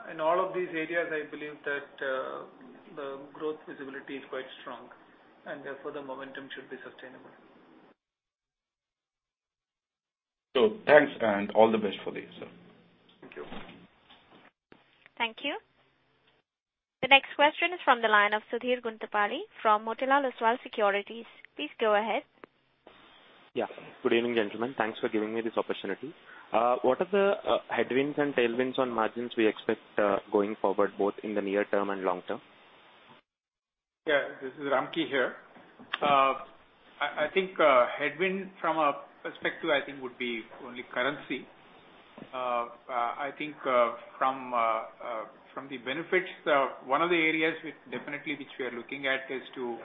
In all of these areas, I believe that the growth visibility is quite strong, and therefore the momentum should be sustainable.
Thanks, and all the best for this.
Thank you.
Thank you. The next question is from the line of Sudhir Guntupalli from Motilal Oswal Securities. Please go ahead.
Yeah. Good evening, gentlemen. Thanks for giving me this opportunity. What are the headwinds and tailwinds on margins we expect going forward, both in the near term and long term?
Yeah, this is Ramki here. I think a headwind from our perspective, I think would be only currency. I think from the benefits of one of the areas definitely which we are looking at is to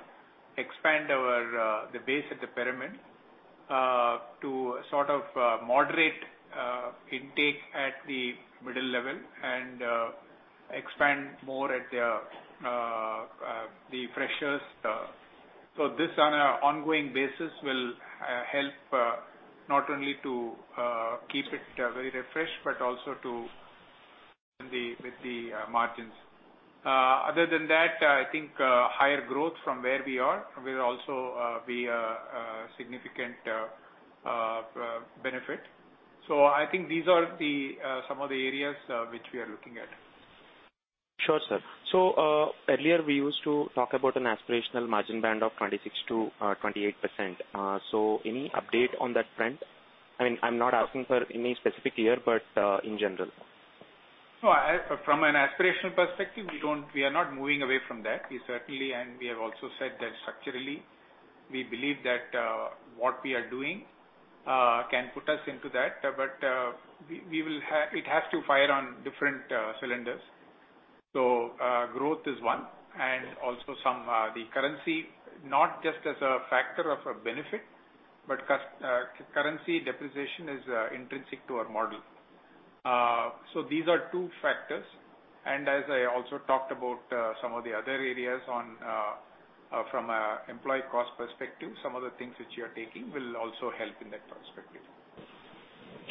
expand the base of the pyramid to sort of moderate intake at the middle level and expand more at the freshers. This on an ongoing basis will help not only to keep it very refreshed, but also with the margins. Other than that, I think higher growth from where we are will also be a significant benefit. I think these are some of the areas which we are looking at.
Sure, sir. Earlier we used to talk about an aspirational margin band of 26%-28%. Any update on that front? I mean, I'm not asking for any specific year, but in general.
From an aspirational perspective, we are not moving away from that. We certainly and we have also said that structurally, we believe that what we are doing can put us into that. It has to fire on different cylinders. Growth is one and also the currency, not just as a factor of a benefit, but currency depreciation is intrinsic to our model. These are two factors. As I also talked about some of the other areas from an employee cost perspective, some of the things which we are taking will also help in that perspective.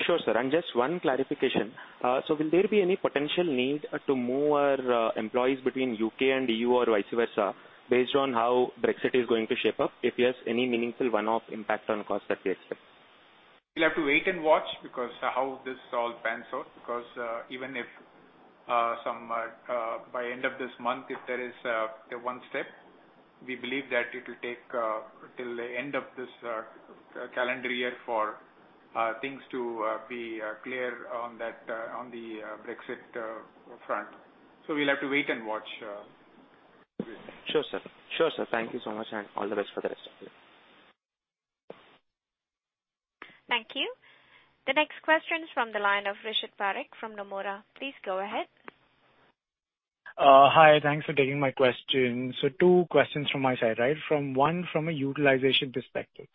Sure, sir. Just one clarification. Will there be any potential need to move our employees between U.K. and EU or vice versa based on how Brexit is going to shape up? If yes, any meaningful one-off impact on cost that we expect?
We'll have to wait and watch because how this all pans out, because even if by end of this month, if there is one step, we believe that it will take till the end of this calendar year for things to be clear on the Brexit front. We'll have to wait and watch.
Sure, sir. Thank you so much. All the best for the rest of it.
Thank you. The next question is from the line of Rishit Parikh from Nomura. Please go ahead.
Hi, thanks for taking my question. 2 questions from my side. One from a utilization perspective.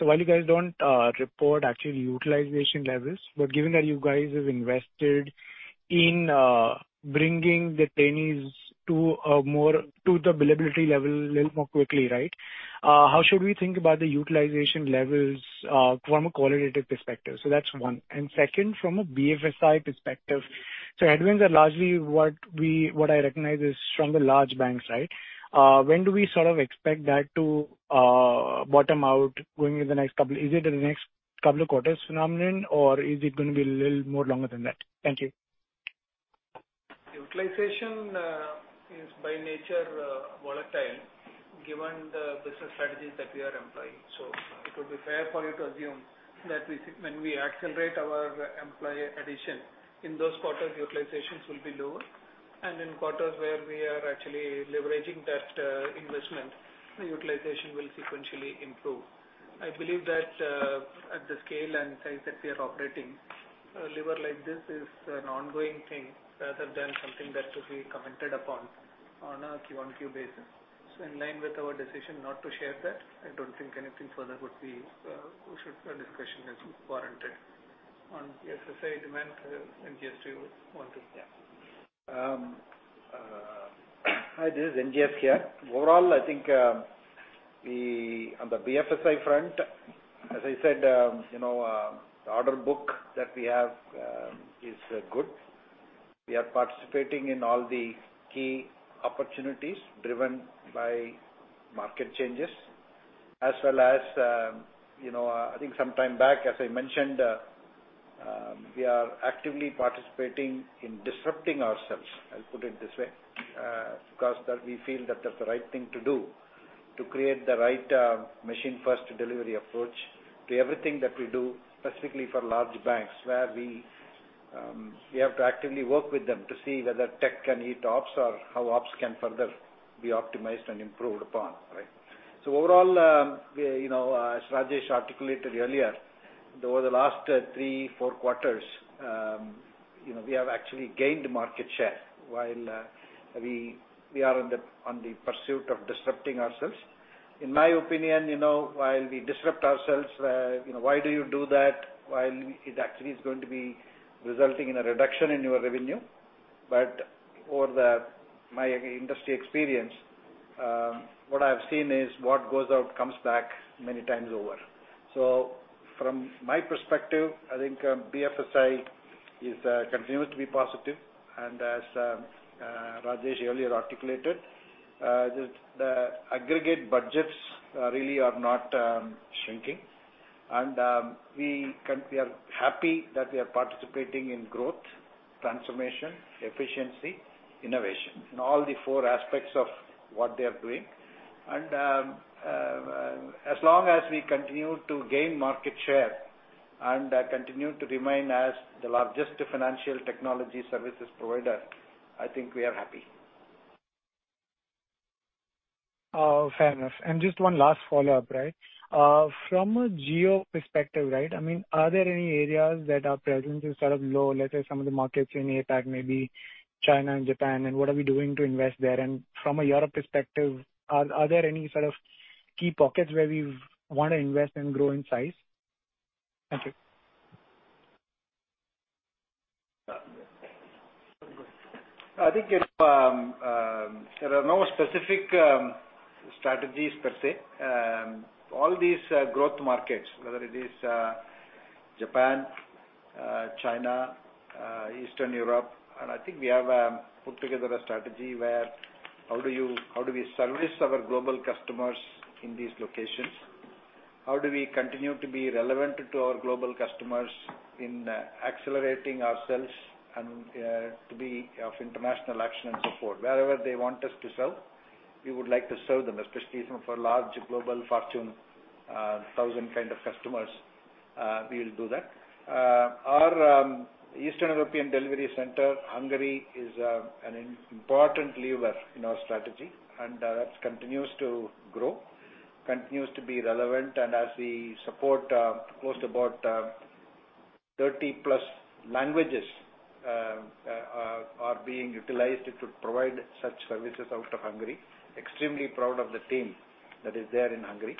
While you guys don't report actual utilization levels, but given that you guys have invested in bringing the trainees to the billability level a little more quickly, how should we think about the utilization levels from a qualitative perspective? That's one. Second, from a BFSI perspective. Headwinds are largely what I recognize is from the large banks. When do we sort of expect that to bottom out within the next 2? Is it in the next 2 quarters phenomenon, or is it going to be a little more longer than that? Thank you.
Utilization is by nature volatile given the business strategies that we are employing. It would be fair for you to assume that when we accelerate our employee addition, in those quarters, utilizations will be lower. In quarters where we are actually leveraging that investment, the utilization will sequentially improve. I believe that at the scale and size that we are operating, a lever like this is an ongoing thing rather than something that to be commented upon on a Q1Q basis. In line with our decision not to share that, I don't think anything further discussion is warranted. On BFSI demand, NGS, do you want to?
Yeah. Hi, this is NGS here. I think on the BFSI front, as I said, the order book that we have is good. We are participating in all the key opportunities driven by market changes as well as, I think some time back, as I mentioned, we are actively participating in disrupting ourselves, I'll put it this way, because we feel that that's the right thing to do to create the right Machine First Delivery approach to everything that we do, specifically for large banks, where we have to actively work with them to see whether tech can eat ops or how ops can further be optimized and improved upon. As Rajesh articulated earlier, over the last three, four quarters, we have actually gained market share while we are on the pursuit of disrupting ourselves. In my opinion, while we disrupt ourselves, why do you do that while it actually is going to be resulting in a reduction in your revenue? Over my industry experience, what I've seen is what goes out comes back many times over. From my perspective, I think BFSI continues to be positive, and as Rajesh earlier articulated, the aggregate budgets really are not shrinking. We are happy that we are participating in growth, transformation, efficiency, innovation, in all the four aspects of what they are doing. As long as we continue to gain market share and continue to remain as the largest financial technology services provider, I think we are happy.
Fair enough. Just one last follow-up. From a geo perspective, are there any areas that our presence is sort of low, let's say some of the markets in APAC, maybe China and Japan, and what are we doing to invest there? From a Europe perspective, are there any sort of key pockets where we want to invest and grow in size? Thank you.
I think there are no specific strategies per se. All these growth markets, whether it is Japan, China, Eastern Europe, and I think we have put together a strategy where, how do we service our global customers in these locations? How do we continue to be relevant to our global customers in accelerating ourselves and to be of international action and support? Wherever they want us to serve, we would like to serve them, especially some of our large global Fortune 1000 kind of customers, we'll do that. Our Eastern European delivery center, Hungary, is an important lever in our strategy, and that continues to grow, continues to be relevant, and as we support close to about 30-plus languages are being utilized to provide such services out of Hungary. Extremely proud of the team that is there in Hungary.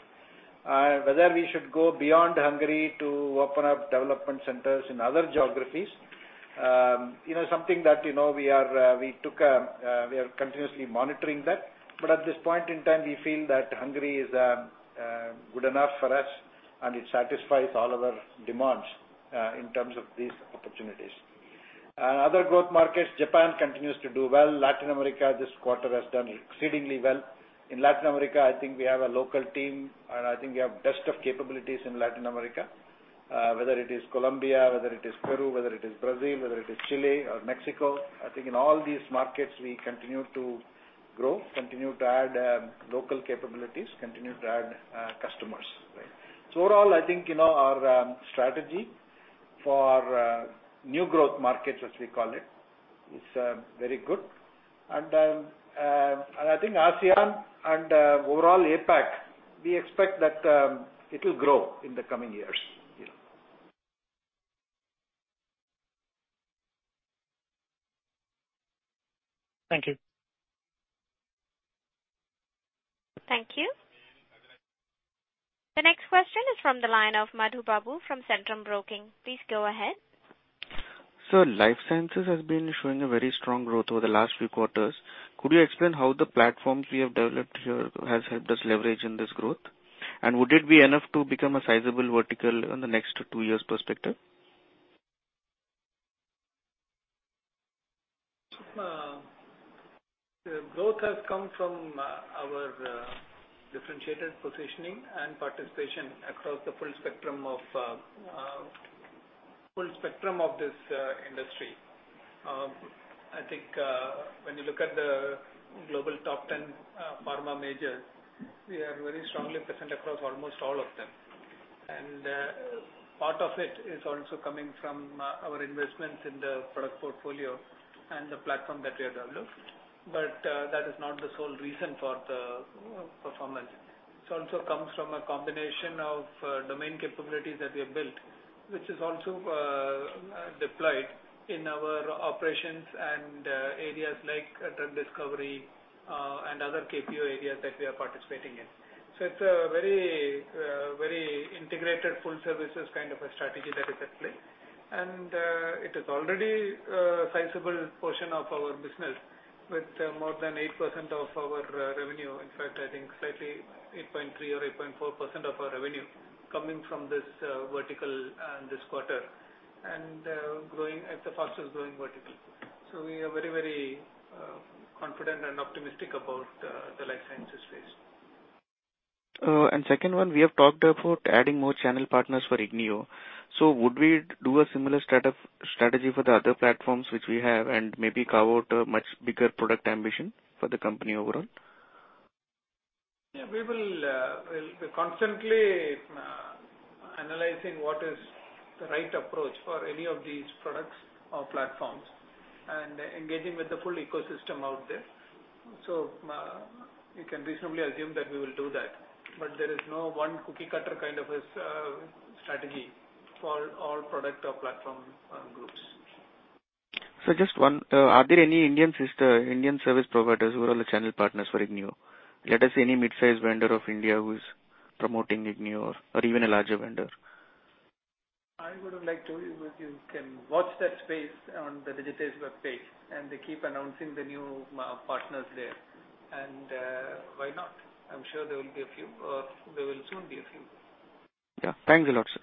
Whether we should go beyond Hungary to open up development centers in other geographies. Something that we are continuously monitoring, but at this point in time, we feel that Hungary is good enough for us and it satisfies all of our demands in terms of these opportunities. Other growth markets, Japan continues to do well. Latin America, this quarter, has done exceedingly well. In Latin America, I think we have a local team and I think we have best of capabilities in Latin America. Whether it is Colombia, whether it is Peru, whether it is Brazil, whether it is Chile or Mexico, I think in all these markets, we continue to grow, continue to add local capabilities, continue to add customers. Right. Overall, I think our strategy for new growth markets, as we call it, is very good. I think ASEAN and overall APAC, we expect that it'll grow in the coming years.
Thank you.
Thank you. The next question is from the line of Madhu Babu from Centrum Broking. Please go ahead.
Sir, life sciences has been showing a very strong growth over the last few quarters. Could you explain how the platforms we have developed here has helped us leverage in this growth? Would it be enough to become a sizable vertical in the next two years perspective?
The growth has come from our differentiated positioning and participation across the full spectrum of this industry. I think when you look at the global top 10 pharma majors, we are very strongly present across almost all of them. Part of it is also coming from our investments in the product portfolio and the platform that we have developed. That is not the sole reason for the performance. It also comes from a combination of domain capabilities that we have built, which is also deployed in our operations and areas like drug discovery, and other KPO areas that we are participating in. It's a very integrated full services kind of a strategy that is at play. It is already a sizable portion of our business, with more than 8% of our revenue. In fact, I think slightly 8.3% or 8.4% of our revenue coming from this vertical and this quarter, and growing at the fastest growing vertical. We are very confident and optimistic about the Life Sciences space.
Second one, we have talked about adding more channel partners for ignio. Would we do a similar strategy for the other platforms which we have and maybe carve out a much bigger product ambition for the company overall?
Yeah, we're constantly analyzing what is the right approach for any of these products or platforms and engaging with the full ecosystem out there. You can reasonably assume that we will do that. There is no one cookie-cutter kind of a strategy for all product or platform groups.
Just one. Are there any Indian service providers who are also channel partners for ignio? Let us say any midsize vendor of India who is promoting ignio or even a larger vendor.
I would have liked to. You can watch that space on the Digitate web page, and they keep announcing the new partners there. Why not? I'm sure there will soon be a few.
Yeah. Thanks a lot, sir.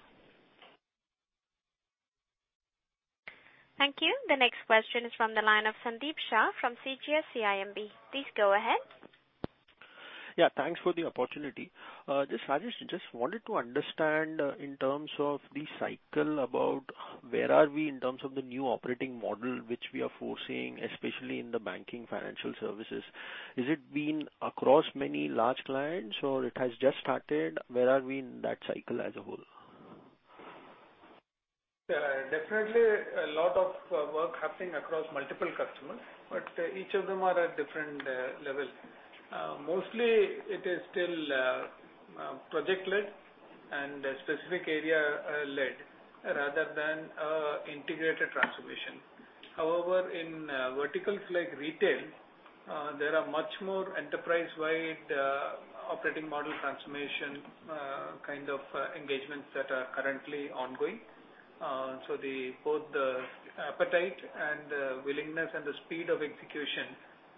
Thank you. The next question is from the line of Sandeep Shah from CGS-CIMB. Please go ahead.
Thanks for the opportunity. Wanted to understand in terms of the cycle about where are we in terms of the new operating model, which we are foreseeing, especially in the banking financial services. Has it been across many large clients, or it has just started? Where are we in that cycle as a whole?
Definitely a lot of work happening across multiple customers, but each of them are at different levels. Mostly it is still project-led and specific area-led rather than integrated transformation. However, in verticals like retail, there are much more enterprise-wide operating model transformation kind of engagements that are currently ongoing. Both the appetite and willingness and the speed of execution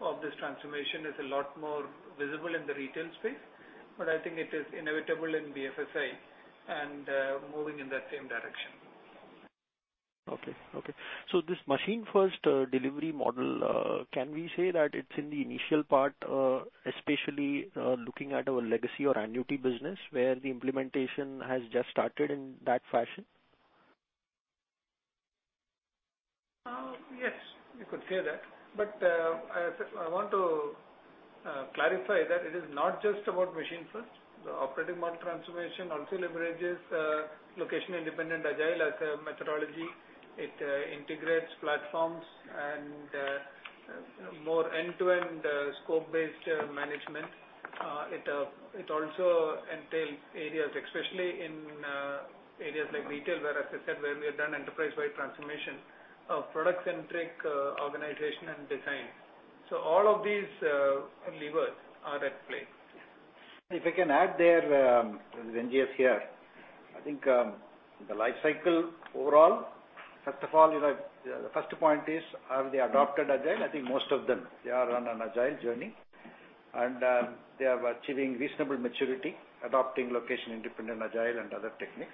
of this transformation is a lot more visible in the retail space, but I think it is inevitable in BFSI and moving in that same direction.
Okay. This Machine First Delivery Model, can we say that it's in the initial part, especially looking at our legacy or annuity business, where the implementation has just started in that fashion?
Yes, you could say that. I want to clarify that it is not just about Machine First. The operating model transformation also leverages Location Independent Agile as a methodology. It integrates platforms and more end-to-end scope-based management. It also entails areas, especially in
Areas like retail, where, as I said, where we have done enterprise-wide transformation of product-centric organization and design. All of these levers are at play.
If I can add there, this is NGS here. I think the life cycle overall, first of all, the first point is, have they adopted Agile? I think most of them, they are on an Agile journey, and they are achieving reasonable maturity, adopting Location Independent Agile and other techniques.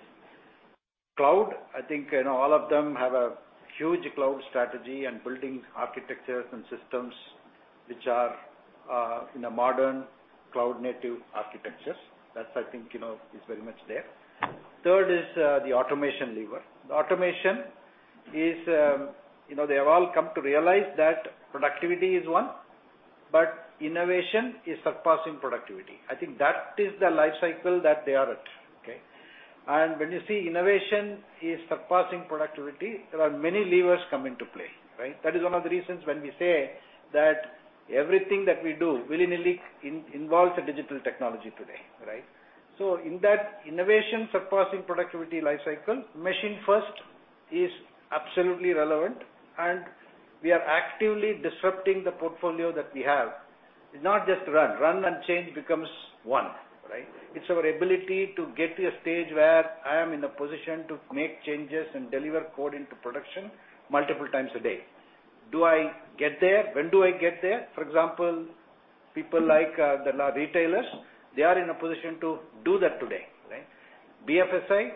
Cloud, I think all of them have a huge cloud strategy and building architectures and systems which are in a modern cloud-native architectures. That I think is very much there. Third is the automation lever. The automation, they have all come to realize that productivity is one, but innovation is surpassing productivity. I think that is the life cycle that they are at. Okay. When you see innovation is surpassing productivity, there are many levers come into play, right? That is one of the reasons when we say that everything that we do willy-nilly involves a digital technology today. Right. In that innovation surpassing productivity life cycle, Machine First is absolutely relevant, and we are actively disrupting the portfolio that we have. It's not just run. Run and change becomes one, right. It's our ability to get to a stage where I am in a position to make changes and deliver code into production multiple times a day. Do I get there? When do I get there? For example, people like the retailers, they are in a position to do that today, right. BFSI,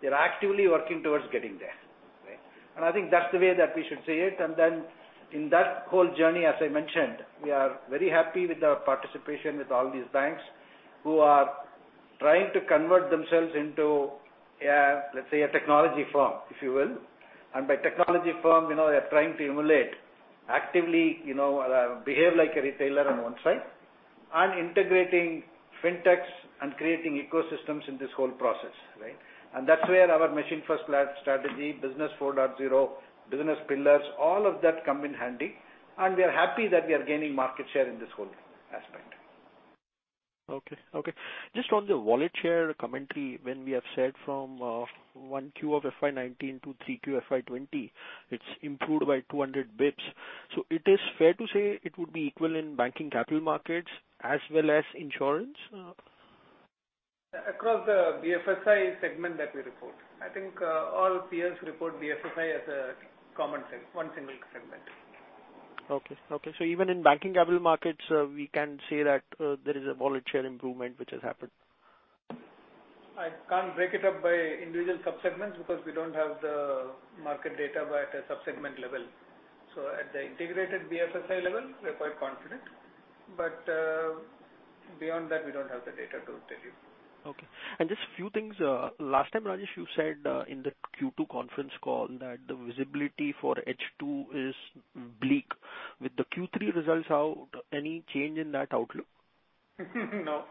they're actively working towards getting there. Right. I think that's the way that we should see it. Then in that whole journey, as I mentioned, we are very happy with our participation with all these banks who are trying to convert themselves into, let's say, a technology firm, if you will. By technology firm they're trying to emulate actively, behave like a retailer on one side and integrating fintechs and creating ecosystems in this whole process. Right. That's where our Machine-First Strategy, Business 4.0, business pillars, all of that come in handy. We are happy that we are gaining market share in this whole aspect.
Okay. Just on the wallet share commentary when we have said from one Q of FY 2019 to three Q FY 2020, it's improved by 200 basis points. It is fair to say it would be equal in banking capital markets as well as insurance?
Across the BFSI segment that we report. I think all peers report BFSI as a common set, one single segment.
Okay. Even in banking capital markets, we can say that there is a wallet share improvement which has happened.
I can't break it up by individual sub-segments because we don't have the market data by the sub-segment level. At the integrated BFSI level, we're quite confident. Beyond that, we don't have the data to tell you.
Okay. Just few things. Last time, Rajesh, you said in the Q2 conference call that the visibility for H2 is bleak. With the Q3 results out, any change in that outlook?
No.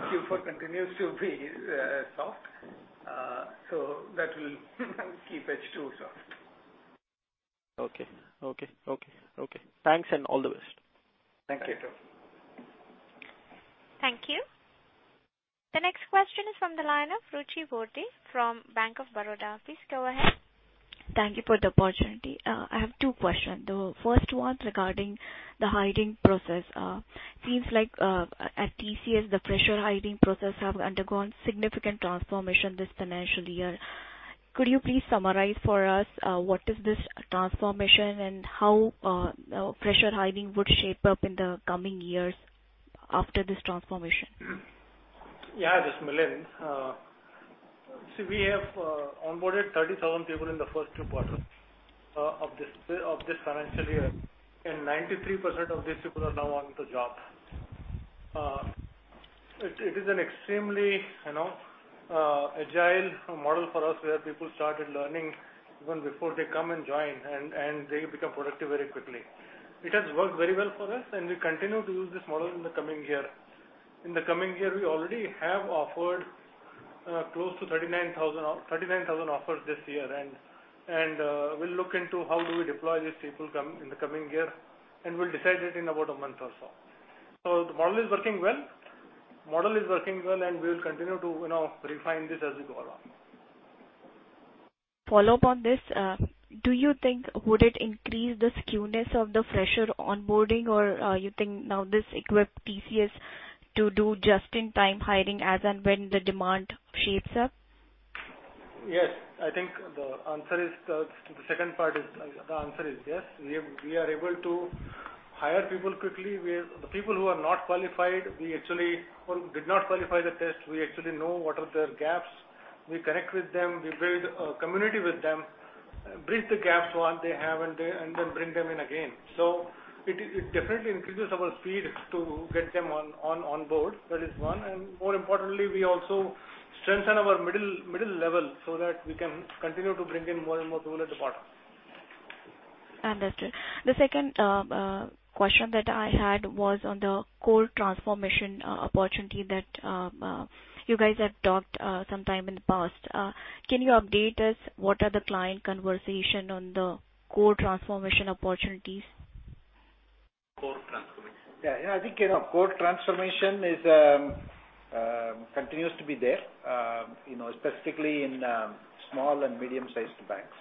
Q4 continues to be soft so that will keep H2 soft.
Okay. Thanks. All the best.
Thank you.
Thank you. The next question is from the line of Ruchi Burde from Bank of Baroda. Please go ahead.
Thank you for the opportunity. I have two questions. The first one's regarding the hiring process. Seems like at TCS, the fresher hiring process have undergone significant transformation this financial year. Could you please summarize for us what is this transformation and how fresher hiring would shape up in the coming years after this transformation?
This is Milind. We have onboarded 37 people in the first two quarters of this financial year, and 93% of these people are now on the job. It is an extremely agile model for us, where people started learning even before they come and join, and they become productive very quickly. It has worked very well for us, and we continue to use this model in the coming year. In the coming year, we already have offered close to 39,000 offers this year. We'll look into how do we deploy these people in the coming year, and we'll decide it in about a month or so. The model is working well, and we'll continue to refine this as we go along.
Follow-up on this. Do you think would it increase the skewness of the fresher onboarding? Or you think now this equips TCS to do just-in-time hiring as and when the demand shapes up?
Yes. I think the answer is the second part is the answer is yes. We are able to hire people quickly. The people who are not qualified, who did not qualify the test, we actually know what are their gaps. We connect with them. We build a community with them, bridge the gaps what they have, and then bring them in again. It definitely increases our speed to get them on board. That is one. More importantly, we also strengthen our middle level so that we can continue to bring in more and more people at the bottom.
Understood. The second question that I had was on the core transformation opportunity that you guys had talked sometime in the past. Can you update us what are the client conversation on the core transformation opportunities?
Core transformation.
Yeah. I think core transformation continues to be there, specifically in small and medium-sized banks.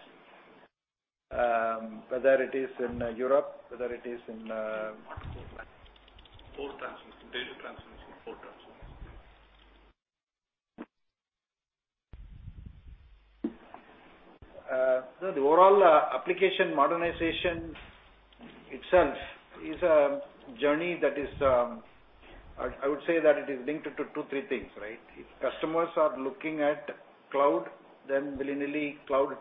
Whether it is in Europe, whether it is in-
What core bank?
Core transformation. Data transformation. Core transformation. The overall application modernization itself is a journey that is, I would say that it is linked to two, three things, right? If customers are looking at cloud, willy-nilly cloud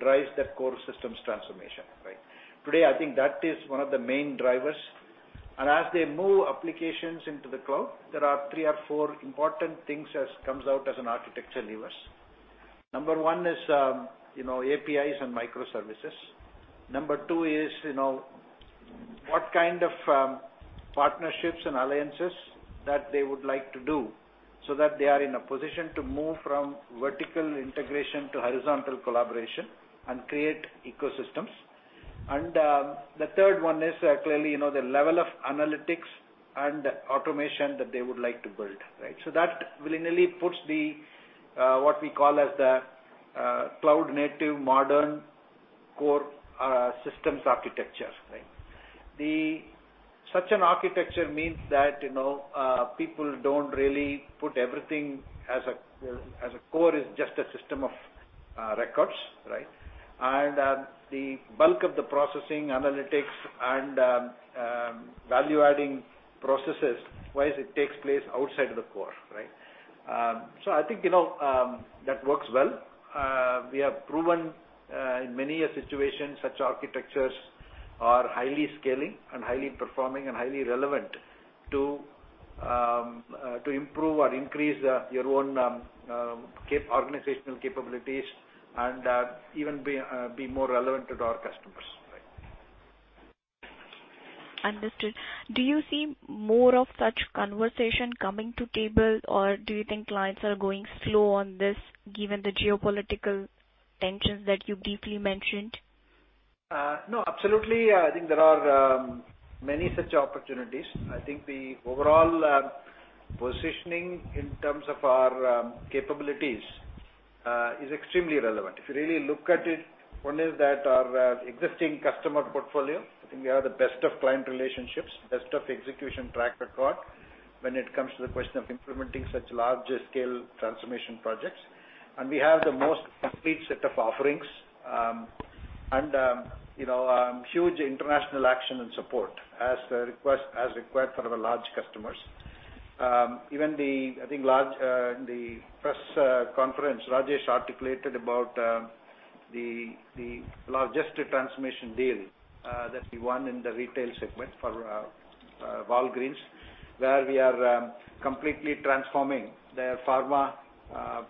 drives that core systems transformation, right? Today, I think that is one of the main drivers. As they move applications into the cloud, there are three or four important things that comes out as architecture levers. Number one is APIs and microservices. Number two is, what kind of partnerships and alliances that they would like to do so that they are in a position to move from vertical integration to horizontal collaboration and create ecosystems. The third one is clearly, the level of analytics and automation that they would like to build, right? That willy-nilly puts what we call as the cloud-native modern core systems architecture, right? Such an architecture means that people don't really put everything as a core, is just a system of records, right? The bulk of the processing analytics and value-adding processes wise, it takes place outside the core, right? I think that works well. We have proven in many a situation such architectures are highly scaling and highly performing and highly relevant to improve or increase your own organizational capabilities and even be more relevant to our customers, right.
Understood. Do you see more of such conversation coming to table, or do you think clients are going slow on this given the geopolitical tensions that you briefly mentioned?
No, absolutely. I think there are many such opportunities. I think the overall positioning in terms of our capabilities is extremely relevant. If you really look at it, one is that our existing customer portfolio, I think we have the best of client relationships, best of execution track record when it comes to the question of implementing such large-scale transformation projects. We have the most complete set of offerings, and huge international action and support as required for our large customers. I think in the press conference, Rajesh articulated about the largest transformation deal that we won in the retail segment for Walgreens, where we are completely transforming their pharma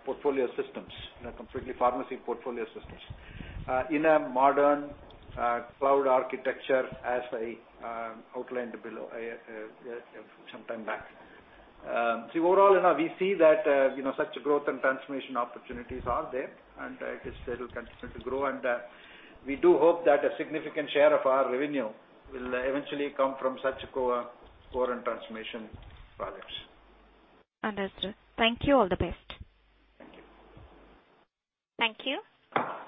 portfolio systems, their complete pharmacy portfolio systems in a modern cloud architecture as I outlined sometime back. Overall, we see that such growth and transformation opportunities are there and it is still continuing to grow. We do hope that a significant share of our revenue will eventually come from such core and transformation projects.
Understood. Thank you. All the best.
Thank you.
Thank you.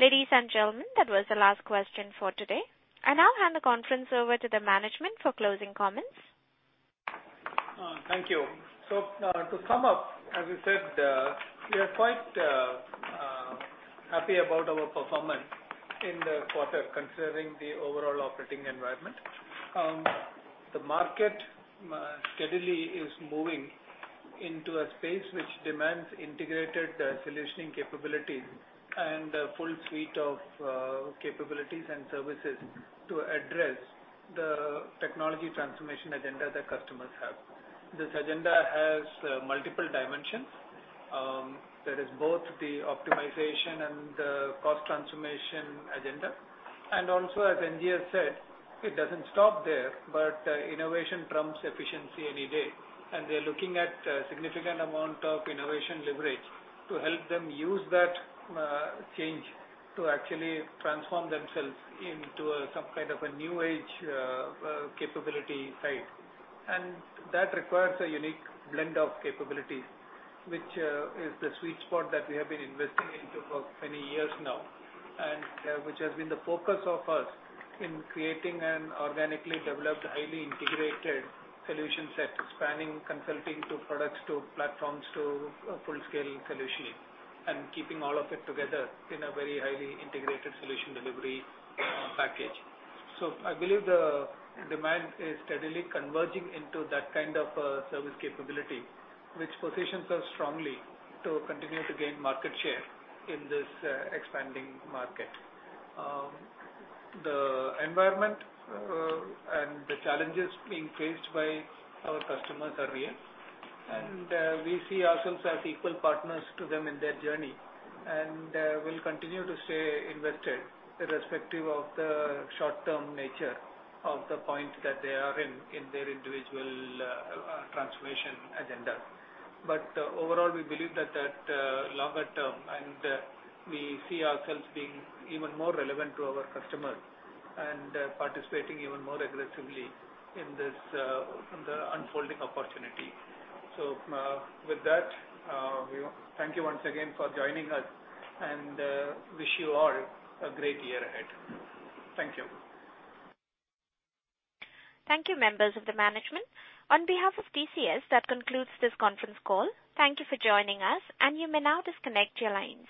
Ladies and gentlemen, that was the last question for today. I now hand the conference over to the management for closing comments.
Thank you. To sum up, as we said, we are quite happy about our performance in the quarter considering the overall operating environment. The market steadily is moving into a space which demands integrated solutioning capabilities and a full suite of capabilities and services to address the technology transformation agenda that customers have. This agenda has multiple dimensions. There is both the optimization and the cost transformation agenda. Also as N. G. has said, it doesn't stop there, but innovation trumps efficiency any day, and we're looking at a significant amount of innovation leverage to help them use that change to actually transform themselves into some kind of a new-age capability type. That requires a unique blend of capabilities, which is the sweet spot that we have been investing into for many years now, which has been the focus of us in creating an organically developed, highly integrated solution set, spanning consulting to products to platforms to full-scale solutioning and keeping all of it together in a very highly integrated solution delivery package. I believe the demand is steadily converging into that kind of a service capability, which positions us strongly to continue to gain market share in this expanding market. The environment and the challenges being faced by our customers are real, and we see ourselves as equal partners to them in their journey. We'll continue to stay invested irrespective of the short-term nature of the point that they are in their individual transformation agenda. Overall, we believe that longer-term, and we see ourselves being even more relevant to our customers and participating even more aggressively in this unfolding opportunity. With that, thank you once again for joining us and wish you all a great year ahead. Thank you.
Thank you, members of the management. On behalf of TCS, that concludes this conference call. Thank you for joining us, and you may now disconnect your lines.